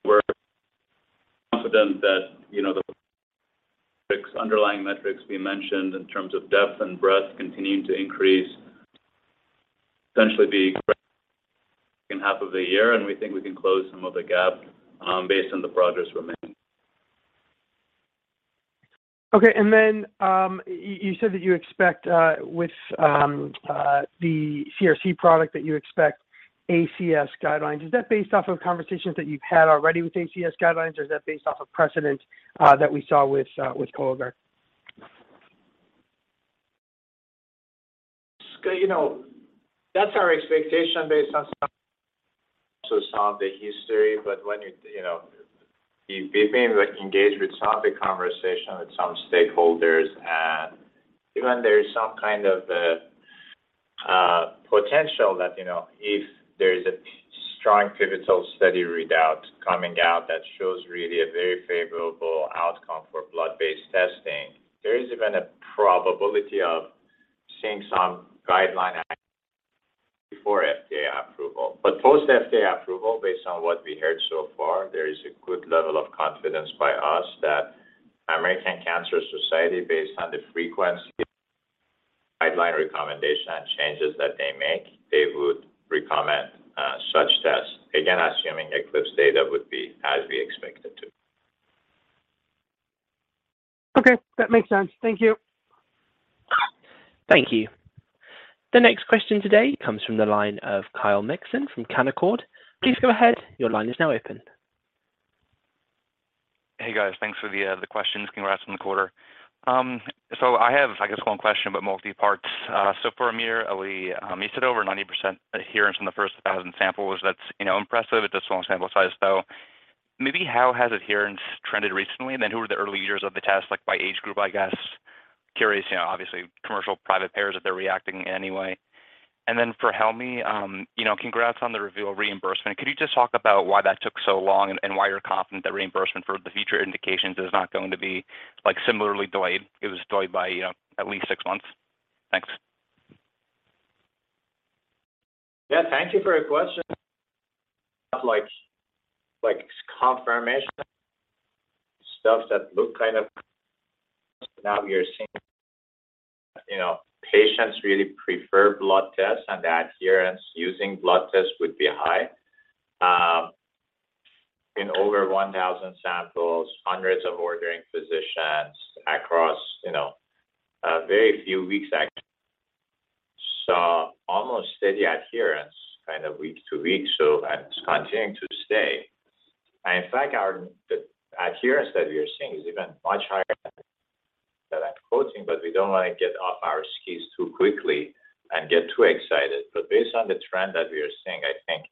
We're confident that, you know, the underlying metrics we mentioned in terms of depth and breadth continuing to increase, essentially in the second half of the year, and we think we can close some of the gap based on the progress we're making. Okay. You said that you expect with the CRC product that you expect ACS guidelines. Is that based off of conversations that you've had already with ACS guidelines, or is that based off of precedent that we saw with Cologuard? You know, that's our expectation based on some of the history. You know, we've been, like, engaged in topical conversations with some stakeholders. Even there is some kind of potential that, you know, if there is a strong pivotal study readout coming out that shows really a very favorable outcome for blood-based testing, there is even a probability of seeing some guideline before FDA approval. Post FDA approval, based on what we heard so far, there is a good level of confidence by us that American Cancer Society, based on the frequency guideline recommendation and changes that they make, they would recommend such tests. Again, assuming ECLIPSE data would be as we expect it to. Okay. That makes sense. Thank you. Thank you. The next question today comes from the line of Kyle Mikson from Canaccord. Please go ahead. Your line is now open. Hey, guys. Thanks for the questions. Congrats on the quarter. So I have, I guess, one question but multi parts. So for AmirAli, you said over 90% adherence from the first 1,000 samples. That's, you know, impressive at this small sample size, though. Maybe how has adherence trended recently? And then who are the early users of the test, like by age group, I guess? Curious, you know, obviously, commercial private payers, if they're reacting in any way. And then for Helmy, you know, congrats on the Reveal reimbursement. Could you just talk about why that took so long and why you're confident that reimbursement for the future indications is not going to be, like, similarly delayed? It was delayed by, you know, at least six months. Thanks. Yeah. Thank you for your question. Now we are seeing, you know, patients really prefer blood tests and the adherence using blood tests would be high. In over 1,000 samples, hundreds of ordering physicians across, you know, very few weeks, I saw almost steady adherence kind of week to week. It's continuing to stay. In fact, the adherence that we are seeing is even much higher than That I'm quoting, we don't want to get off our skis too quickly and get too excited. Based on the trend that we are seeing, I think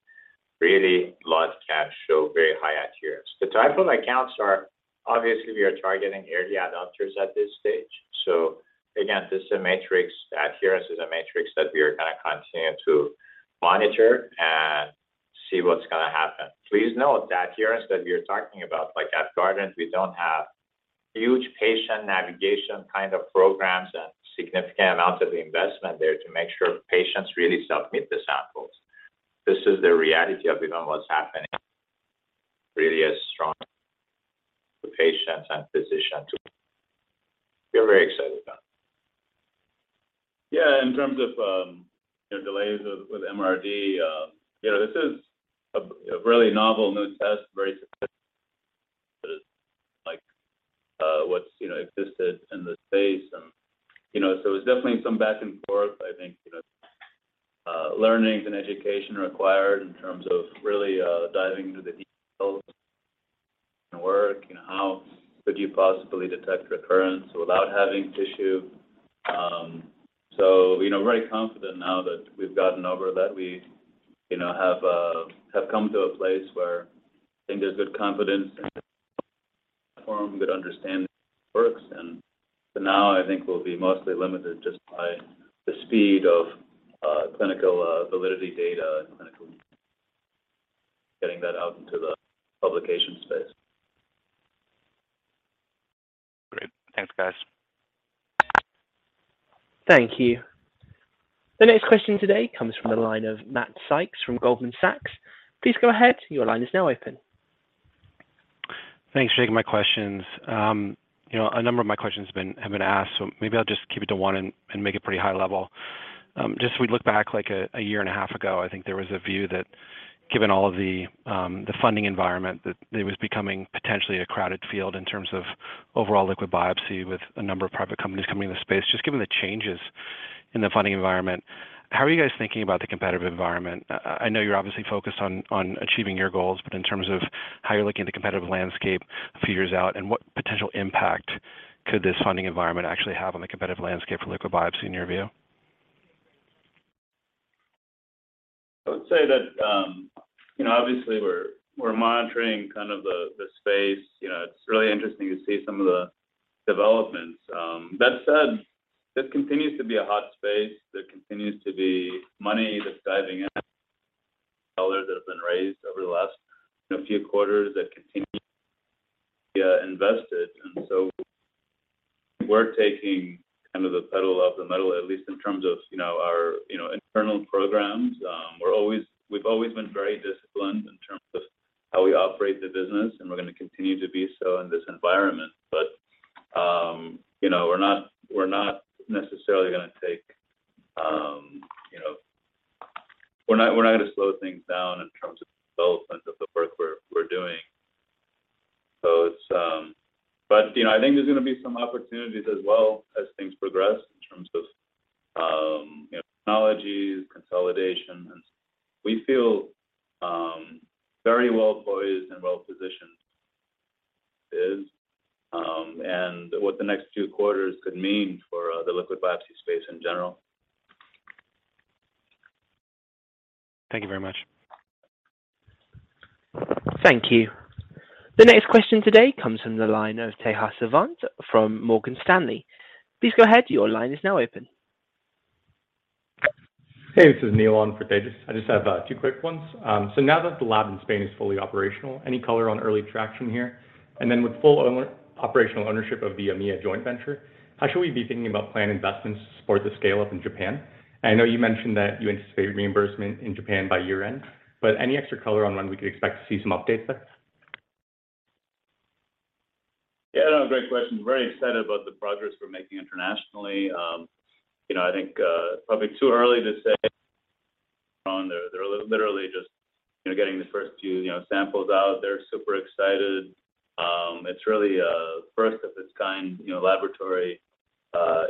really blood can show very high adherence. The type of accounts are obviously we are targeting early adopters at this stage. Again, this is a matrix, adherence is a matrix that we are gonna continue to monitor and see what's gonna happen. Please note the adherence that we are talking about, like at Guardant, we don't have huge patient navigation kind of programs and significant amounts of investment there to make sure patients really submit the samples. This is the reality of what's happening. Really a strong patients and physicians. We're very excited about it. Yeah, in terms of, you know, delays with MRD, you know, this is a really novel new test, very specific, like what's, you know, existed in the space and, you know, so it's definitely some back and forth. I think, you know, learnings and education required in terms of really diving into the details and work, you know, how could you possibly detect recurrence without having Tissue? You know, we're very confident now that we've gotten over that. We, you know, have come to a place where I think there's good confidence and a good platform, good understanding how this works. For now, I think we'll be mostly limited just by the speed of clinical validity data and clinical getting that out into the publication space. Great. Thanks, guys. Thank you. The next question today comes from the line of Matt Sykes from Goldman Sachs. Please go ahead. Your line is now open. Thanks for taking my questions. You know, a number of my questions have been asked, so maybe I'll just keep it to one and make it pretty high level. Just if we look back like a year and a half ago, I think there was a view that given all of the funding environment, that it was becoming potentially a crowded field in terms of overall liquid biopsy with a number of private companies coming into the space. Just given the changes in the funding environment, how are you guys thinking about the competitive environment? I know you're obviously focused on achieving your goals, but in terms of how you're looking at the competitive landscape a few years out, and what potential impact could this funding environment actually have on the competitive landscape for liquid biopsy in your view? I would say that, you know, obviously we're monitoring kind of the space. You know, it's really interesting to see some of the developments. That said, this continues to be a hot space. There continues to be money that's diving in, dollars that have been raised over the last, you know, few quarters that continue to be invested. We're taking kind of the pedal off the metal, at least in terms of, you know, our, you know, internal programs. We've always been very disciplined in terms of how we operate the business, and we're gonna continue to be so in this environment. You know, we're not gonna slow things down in terms of development of the work we're doing. You know, I think there's gonna be some opportunities as well as things progress in terms of, you know, technologies, consolidation, and we feel very well poised and well-positioned, and what the next few quarters could mean for the liquid biopsy space in general. Thank you very much. Thank you. The next question today comes from the line of Tejas Savant from Morgan Stanley. Please go ahead, your line is now open. Hey, this is Neil on for Tejas. I just have two quick ones. Now that the lab in Spain is fully operational, any color on early traction here? With full operational ownership of the AMEA joint venture, how should we be thinking about planned investments to support the scale-up in Japan? I know you mentioned that you anticipate reimbursement in Japan by year-end, but any extra color on when we could expect to see some updates there? Yeah, no, great question. Very excited about the progress we're making internationally. You know, I think probably too early to say on. They're literally just you know getting the first few you know samples out. They're super excited. It's really a first of its kind you know laboratory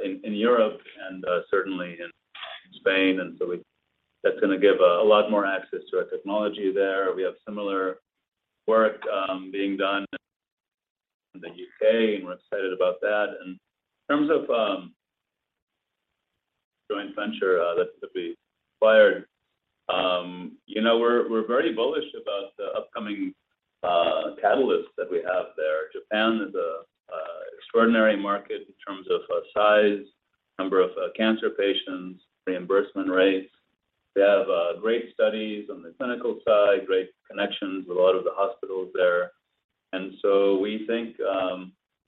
in Europe and certainly in Spain. That's gonna give a lot more access to our technology there. We have similar work being done in the U.K., and we're excited about that. In terms of joint venture that we acquired you know we're very bullish about the upcoming catalysts that we have there. Japan is a extraordinary market in terms of size, number of cancer patients, reimbursement rates. They have great studies on the clinical side, great connections with a lot of the hospitals there. We think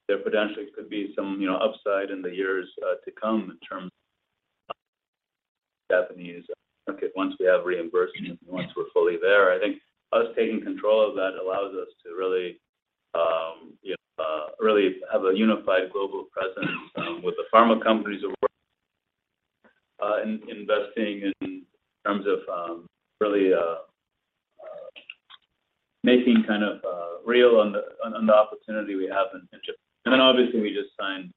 there potentially could be some, you know, upside in the years to come in terms of Japanese market once we have reimbursement and once we're fully there. I think us taking control of that allows us to really, you know, really have a unified global presence with the pharma companies that we're investing in terms of really making kind of real the opportunity we have in Japan. Obviously, we just signed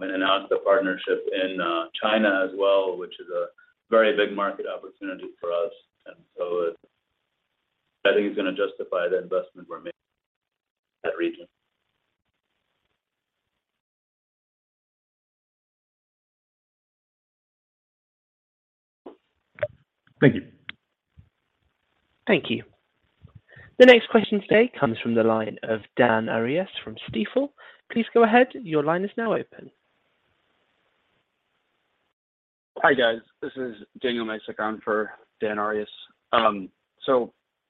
and announced a partnership in China as well, which is a very big market opportunity for us. I think it's gonna justify the investment we're making in that region. Thank you. Thank you. The next question today comes from the line of Dan Arias from Stifel. Please go ahead. Your line is now open. Hi, guys. This is Daniel [Masoc] on for Dan Arias.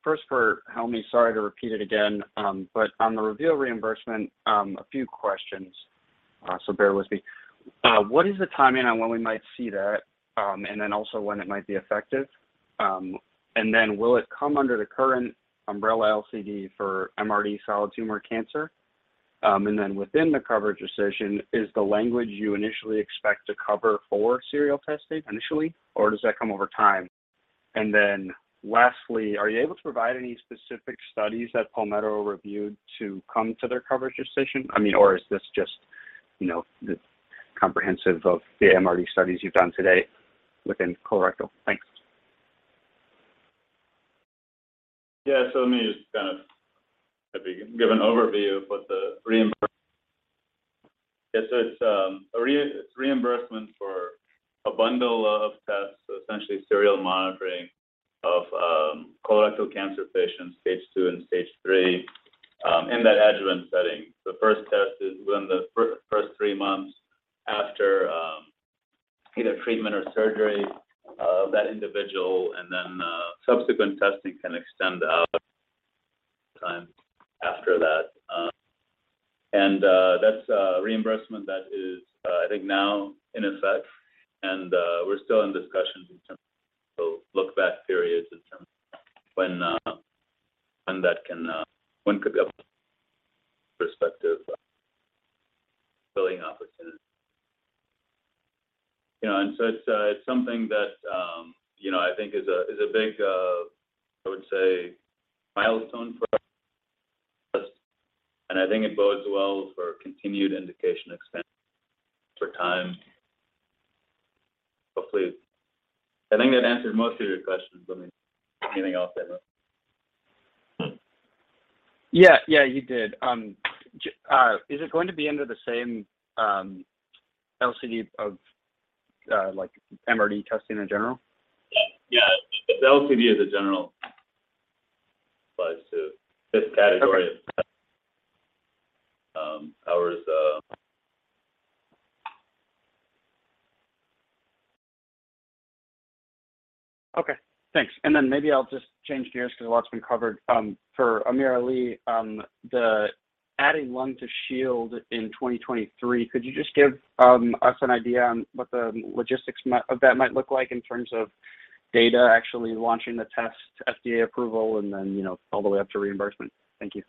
First for Helmy, sorry to repeat it again, but on the Reveal reimbursement, a few questions, bear with me. What is the timing on when we might see that, and then also when it might be effective? Will it come under the current umbrella LCD for MRD solid tumor cancer? Within the coverage decision, is the language you initially expect to cover for serial testing initially, or does that come over time? Lastly, are you able to provide any specific studies that Palmetto reviewed to come to their coverage decision? I mean, or is this just, you know, the comprehensive of the MRD studies you've done today within colorectal? Thanks. Yeah. Let me just kind of give an overview of what the reimbursement is. It's reimbursement for a bundle of tests, so essentially serial monitoring of colorectal cancer patients, stage two and stage three, in that adjuvant setting. The first test is within the first three months after either treatment or surgery of that individual, and then subsequent testing can extend over time after that. That's a reimbursement that is, I think, now in effect, and we're still in discussions in terms of look-back periods, in terms of when that could be a prospective billing opportunity. You know, it's something that, you know, I think is a big, I would say, milestone for us, and I think it bodes well for continued indication expansion for time. Hopefully. I think that answered most of your questions. Let me. Anything else? I don't know. Yeah. Yeah, you did. Is it going to be under the same LCD of like MRD testing in general? Yeah. The LCD generally applies to this category of tests. Okay, thanks. Maybe I'll just change gears because a lot's been covered. For AmirAli Talasaz, the adding lung to Shield in 2023, could you just give us an idea on what the logistics of that might look like in terms of data actually launching the test, FDA approval, and then, you know, all the way up to reimbursement? Thank you.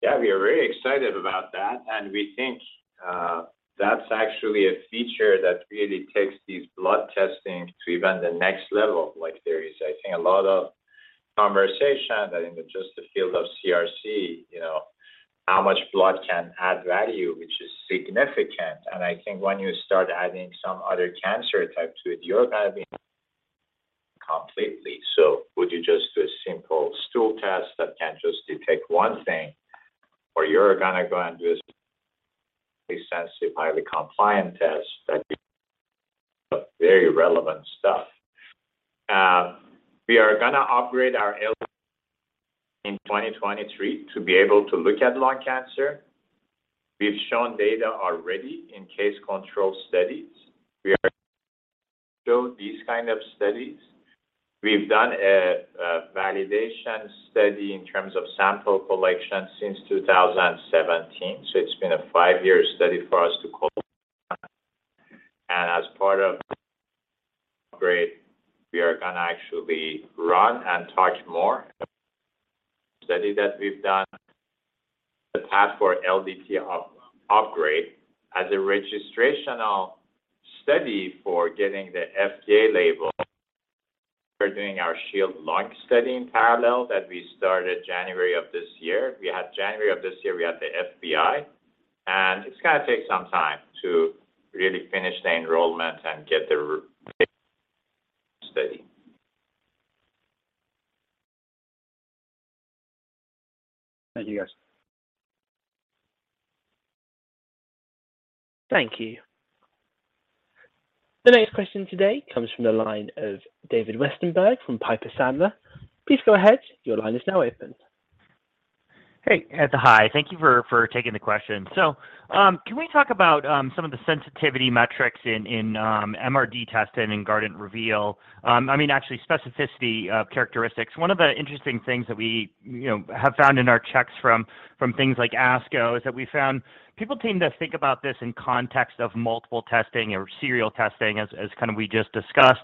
Yeah. We are very excited about that, and we think, that's actually a feature that really takes these blood testing to even the next level. Like, there is, I think, a lot of conversation I think in just the field of CRC, you know, how much blood can add value, which is significant. I think when you start adding some other cancer type to it, you're gonna be completely. Would you just do a simple stool test that can just detect one thing, or you're gonna go and do a sensitive, highly compliant test that be very relevant stuff. We are gonna upgrade our LDT in 2023 to be able to look at lung cancer. We've shown data already in case control studies. We are showing these kind of studies. We've done a validation study in terms of sample collection since 2017, so it's been a five-year study for us overall. As part of Guardant, we are gonna actually run another study that we've done, the path for LDT to PMA upgrade as a registrational study for getting the FDA label. We're doing our SHIELD LUNG study in parallel that we started January of this year. In January of this year, we had the FPI, and it's gonna take some time to really finish the enrollment and get the study. Thank you, guys. Thank you. The next question today comes from the line of David Westenberg from Piper Sandler. Please go ahead. Your line is now open. Hey. Hi, thank you for taking the question. Can we talk about some of the sensitivity metrics in MRD testing in Guardant Reveal? I mean, actually specificity of characteristics. One of the interesting things that we, you know, have found in our checks from things like ASCO is that we found people tend to think about this in context of multiple testing or serial testing as kind of we just discussed.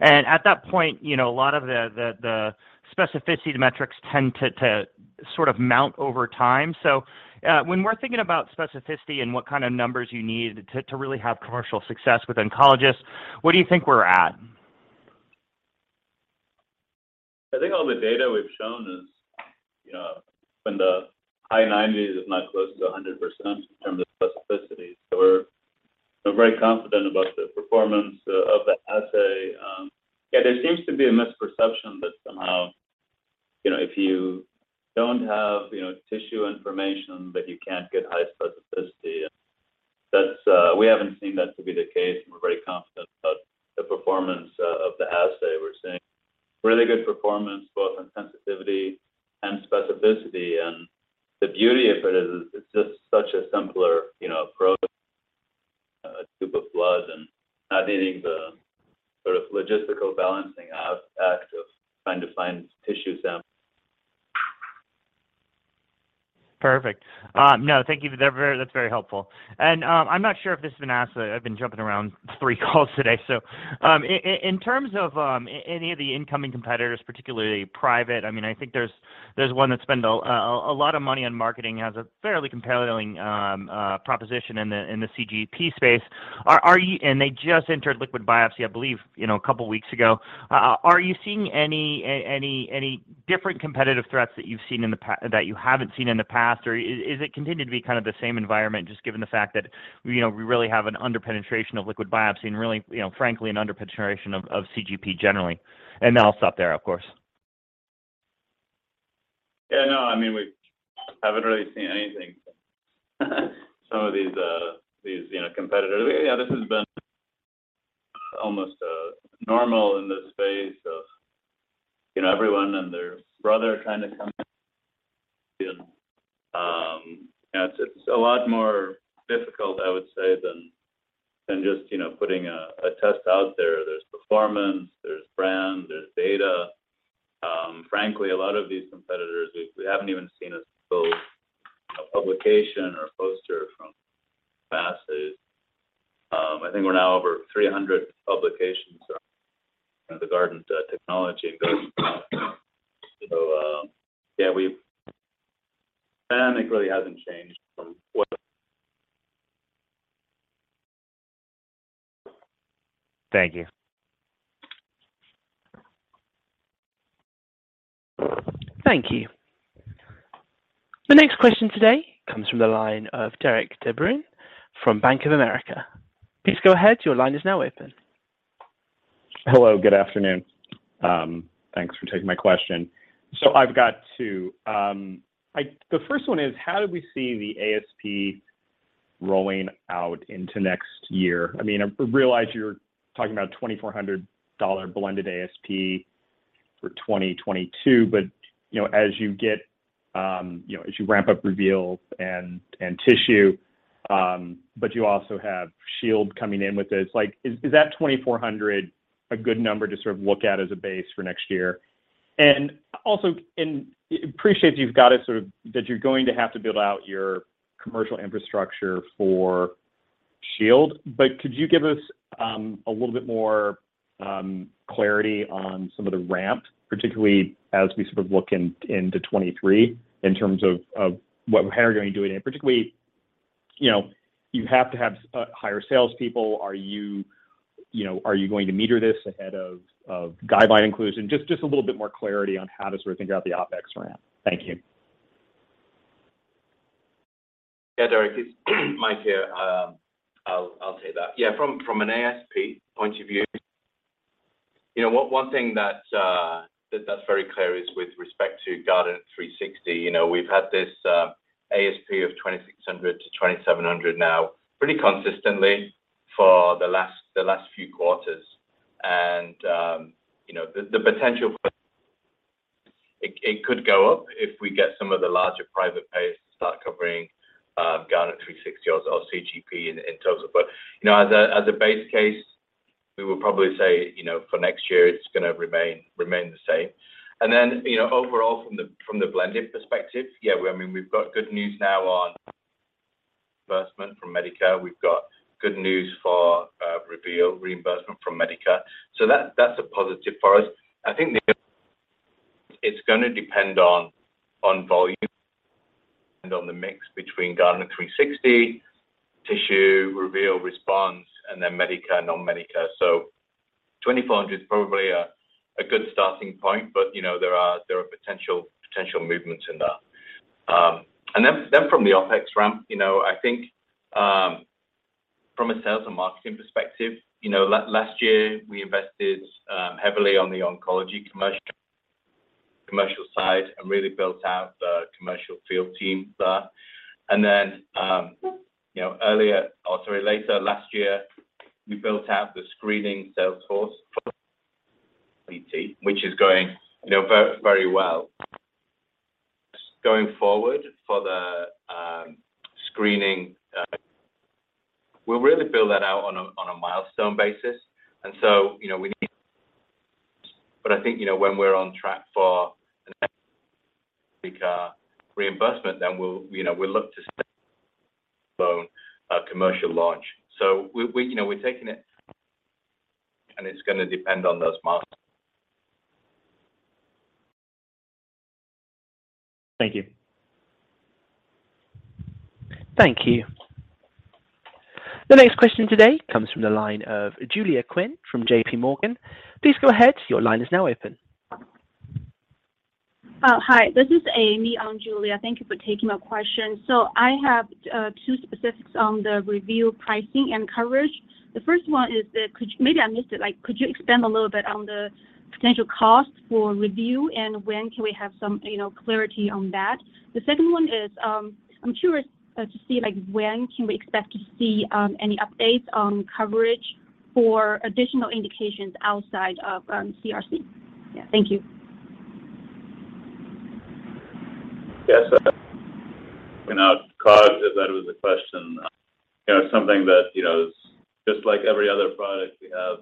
At that point, you know, a lot of the specificity metrics tend to sort of mount over time. When we're thinking about specificity and what kind of numbers you need to really have commercial success with oncologists, where do you think we're at? I think all the data we've shown is. You know, in the high 90s%, if not close to 100% in terms of specificity. We're very confident about the performance of the assay. Yeah, there seems to be a misperception that somehow, you know, if you don't have, you know, tissue information, that you can't get high specificity. That's not the case, and we're very confident about the performance of the assay. We're seeing really good performance both in sensitivity and specificity. The beauty of it is it's just such a simpler, you know, approach, tube of blood and not needing the sort of logistical balancing out act of trying to find tissue samples. Perfect. No, thank you for that. That's very helpful. I'm not sure if this has been asked, but I've been jumping around three calls today. In terms of any of the incoming competitors, particularly private, I mean, I think there's one that spent a lot of money on marketing, has a fairly compelling proposition in the CGP space. They just entered liquid biopsy, I believe, you know, a couple weeks ago. Are you seeing any different competitive threats that you haven't seen in the past? Or is it continuing to be kind of the same environment, just given the fact that, you know, we really have an under-penetration of liquid biopsy and really, you know, frankly, an under-penetration of CGP generally? I'll stop there, of course. Yeah, no, I mean, we haven't really seen anything. Some of these, you know, competitors. Yeah, this has been almost normal in this space of, you know, everyone and their brother trying to come in. Yeah, it's a lot more difficult, I would say, than just, you know, putting a test out there. There's performance, there's brand, there's data. Frankly, a lot of these competitors, we haven't even seen a full publication or a poster from passes. I think we're now over 300 publications around the Guardant technology. Dynamic really hasn't changed from what- Thank you. Thank you. The next question today comes from the line of Derik De Bruin from Bank of America. Please go ahead, your line is now open. Hello, good afternoon. Thanks for taking my question. I've got two. The first one is, how do we see the ASP rolling out into next year? I mean, I realize you're talking about $2,400 blended ASP for 2022. But you know, as you get you know, as you ramp up Reveal and Tissue, but you also have Shield coming in with this. Like, is that $2,400 a good number to sort of look at as a base for next year? Also, I appreciate that you're going to have to build out your commercial infrastructure for Shield. Could you give us a little bit more clarity on some of the ramp, particularly as we sort of look into 2023 in terms of how you're going to do it? And particularly, you know, you have to have higher sales people. Are you know, are you going to meter this ahead of guideline inclusion? Just a little bit more clarity on how to sort of think about the OpEx ramp. Thank you. Yeah, Derik, it's Mike here. I'll take that. Yeah, from an ASP point of view, you know, one thing that's very clear is with respect to Guardant360. You know, we've had this ASP of $2,600-$2,700 now pretty consistently for the last few quarters. You know, the potential for it could go up if we get some of the larger private payers to start covering Guardant360 or CGP in terms of. You know, as a base case, we would probably say, you know, for next year it's gonna remain the same. You know, overall from the blended perspective, yeah, I mean, we've got good news now on reimbursement from Medicare. We've got good news for Reveal reimbursement from Medicare. That, that's a positive for us. I think it's gonna depend on volume and on the mix between Guardant360, Tissue, Reveal, Response, and then Medicare, non-Medicare. $2,400 is probably a good starting point, but you know, there are potential movements in that. From the OpEx ramp, you know, I think from a sales and marketing perspective, you know, last year we invested heavily on the oncology commercial side and really built out the commercial field team there. Earlier or sorry, later last year, we built out the screening sales force for CRC, which is going, you know, very well. Going forward for the screening, we'll really build that out on a milestone basis. You know, we need. I think, you know, when we're on track for a reimbursement, then we'll, you know, look to set our own commercial launch. We, you know, we're taking it, and it's gonna depend on those milestones. Thank you. Thank you. The next question today comes from the line of Julia Qin from JPMorgan. Please go ahead, your line is now open. Oh, hi. This is Amy, Julia. Thank you for taking my question. So I have two specifics on the Reveal pricing and coverage. The first one is that maybe I missed it, like could you expand a little bit on the potential cost for review and when can we have some, you know, clarity on that? The second one is, I'm curious to see, like when can we expect to see any updates on coverage for additional indications outside of CRC? Yeah. Thank you. Yes. You know, cost, if that was a question, you know, something that, you know, just like every other product we have,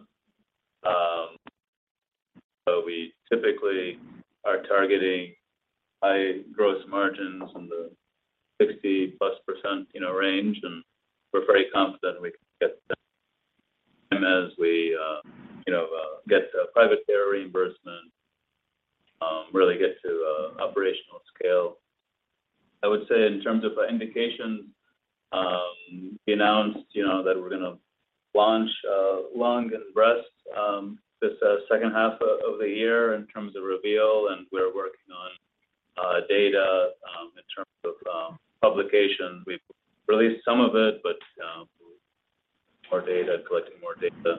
we typically are targeting high gross margins on the 60%+ range, you know, and we're very confident we can get there. As we, you know, get private payer reimbursement, really get to operational scale. I would say in terms of indication, we announced, you know, that we're gonna launch lung and breast this second half of the year in terms of Reveal, and we're working on data in terms of publication. We've released some of it, but more data, collecting more data in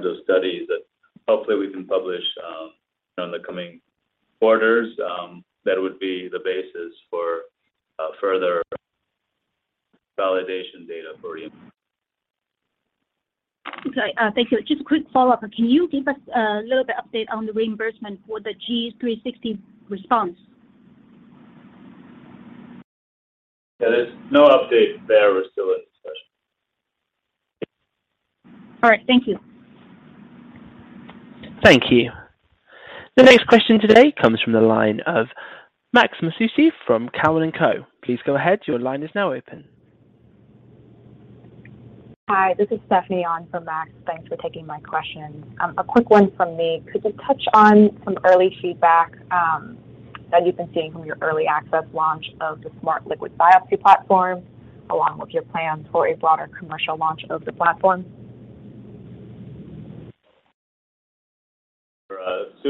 terms of studies that hopefully we can publish in the coming quarters that would be the basis for further validation data for you. Okay. Thank you. Just a quick follow-up. Can you give us a little bit update on the reimbursement for the Guardant360 Response? Yeah. There's no update there. We're still in discussion. All right. Thank you. Thank you. The next question today comes from the line of Max Masucci from Cowen and Company. Please go ahead. Your line is now open. Hi. This is Stephanie on for Max. Thanks for taking my question. A quick one from me. Could you touch on some early feedback that you've been seeing from your early access launch of the smart liquid biopsy platform, along with your plans for a broader commercial launch of the platform? There's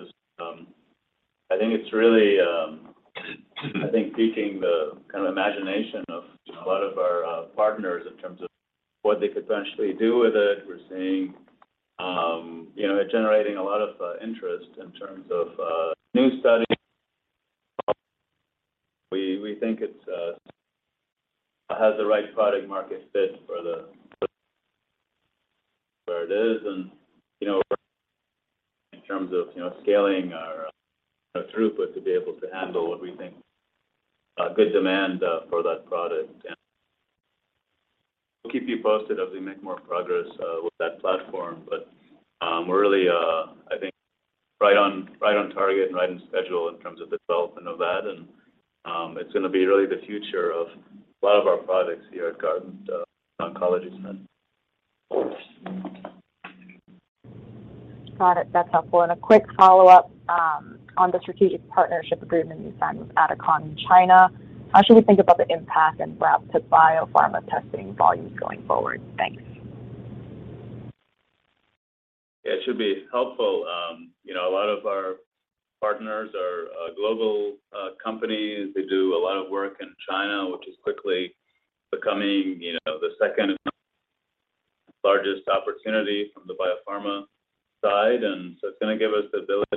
just, I think it's really, I think piquing the kind of imagination of, you know, a lot of our partners in terms of what they could eventually do with it. We're seeing, you know, it generating a lot of interest in terms of new study. We think it's has the right product market fit for the where it is and, you know, in terms of, you know, scaling our throughput to be able to handle what we think a good demand for that product. We'll keep you posted as we make more progress with that platform. We're really, I think, right on target and right on schedule in terms of development of that, and it's gonna be really the future of a lot of our products here at Guardant Health Oncology. Got it. That's helpful. A quick follow-up, on the strategic partnership agreement you signed with Adicon in China. How should we think about the impact and ramp to biopharma testing volumes going forward? Thanks. It should be helpful. You know, a lot of our partners are global companies. They do a lot of work in China, which is quickly becoming, you know, the second largest opportunity from the biopharma side. It's gonna give us the ability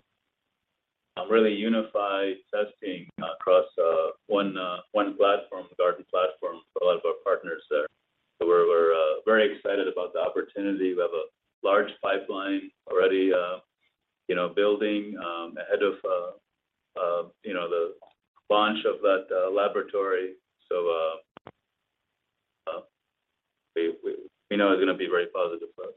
to really unify testing across one platform, the Guardant platform, for a lot of our partners there. We're very excited about the opportunity. We have a large pipeline already, you know, building ahead of, you know, the launch of that laboratory. We know it's gonna be very positive for us.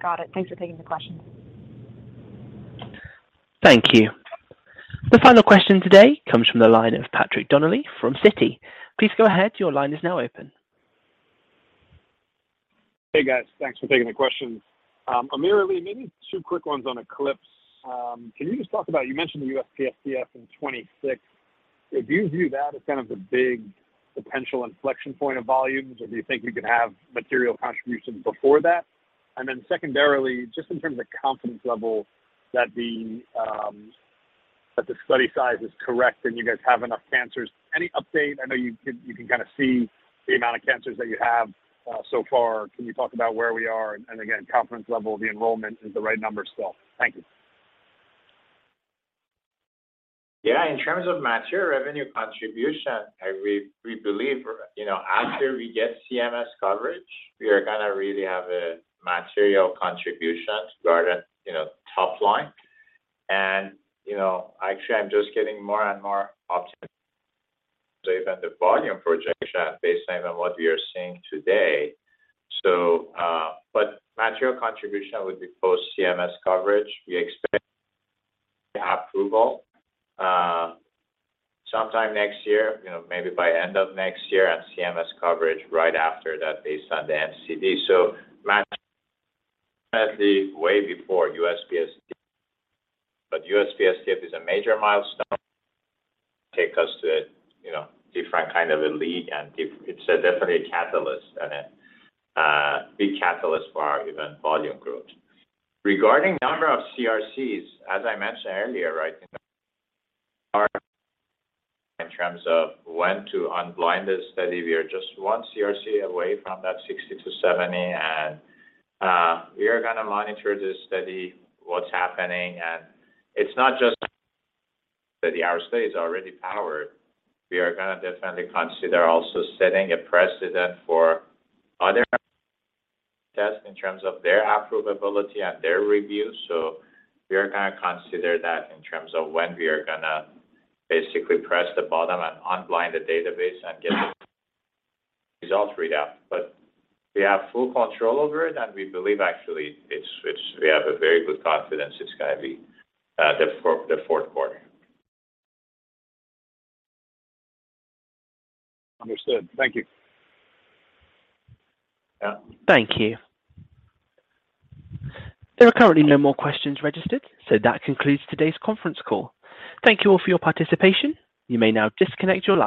Got it. Thanks for taking the question. Thank you. The final question today comes from the line of Patrick Donnelly from Citi. Please go ahead, your line is now open. Hey, guys. Thanks for taking the questions. AmirAli, maybe two quick ones on ECLIPSE. Can you just talk about, you mentioned the USPSTF in 2026. Do you view that as kind of the big potential inflection point of volumes, or do you think we could have material contributions before that? Then secondarily, just in terms of confidence level that the study size is correct and you guys have enough cancers. Any update? I know you can kinda see the amount of cancers that you have so far. Can you talk about where we are? Again, confidence level, the enrollment is the right number still. Thank you. Yeah. In terms of material revenue contribution, we believe, you know, after we get CMS coverage, we are gonna really have a material contribution regarding, you know, top line. You know, actually, I'm just getting more and more optimistic about the volume projection based on what we are seeing today. Material contribution would be post-CMS coverage. We expect approval sometime next year, you know, maybe by end of next year and CMS coverage right after that based on the NCD. Matches the way before USPSTF. USPSTF is a major milestone take us to, you know, different kind of a league and it's definitely a catalyst and big catalyst for our adoption volume growth. Regarding number of CRCs, as I mentioned earlier, right, in terms of when to unblind the study, we are just one CRC away from that 60-70 and we are gonna monitor the study, what's happening. It's not just that the CRC is already powered. We are gonna definitely consider also setting a precedent for other tests in terms of their approvability and their reviews. We are gonna consider that in terms of when we are gonna basically press the button and unblind the database and get the results read out. We have full control over it, and we believe actually it's we have a very good confidence it's gonna be the fourth quarter. Understood. Thank you. Yeah. Thank you. There are currently no more questions registered, so that concludes today's conference call. Thank you all for your participation. You may now disconnect your lines.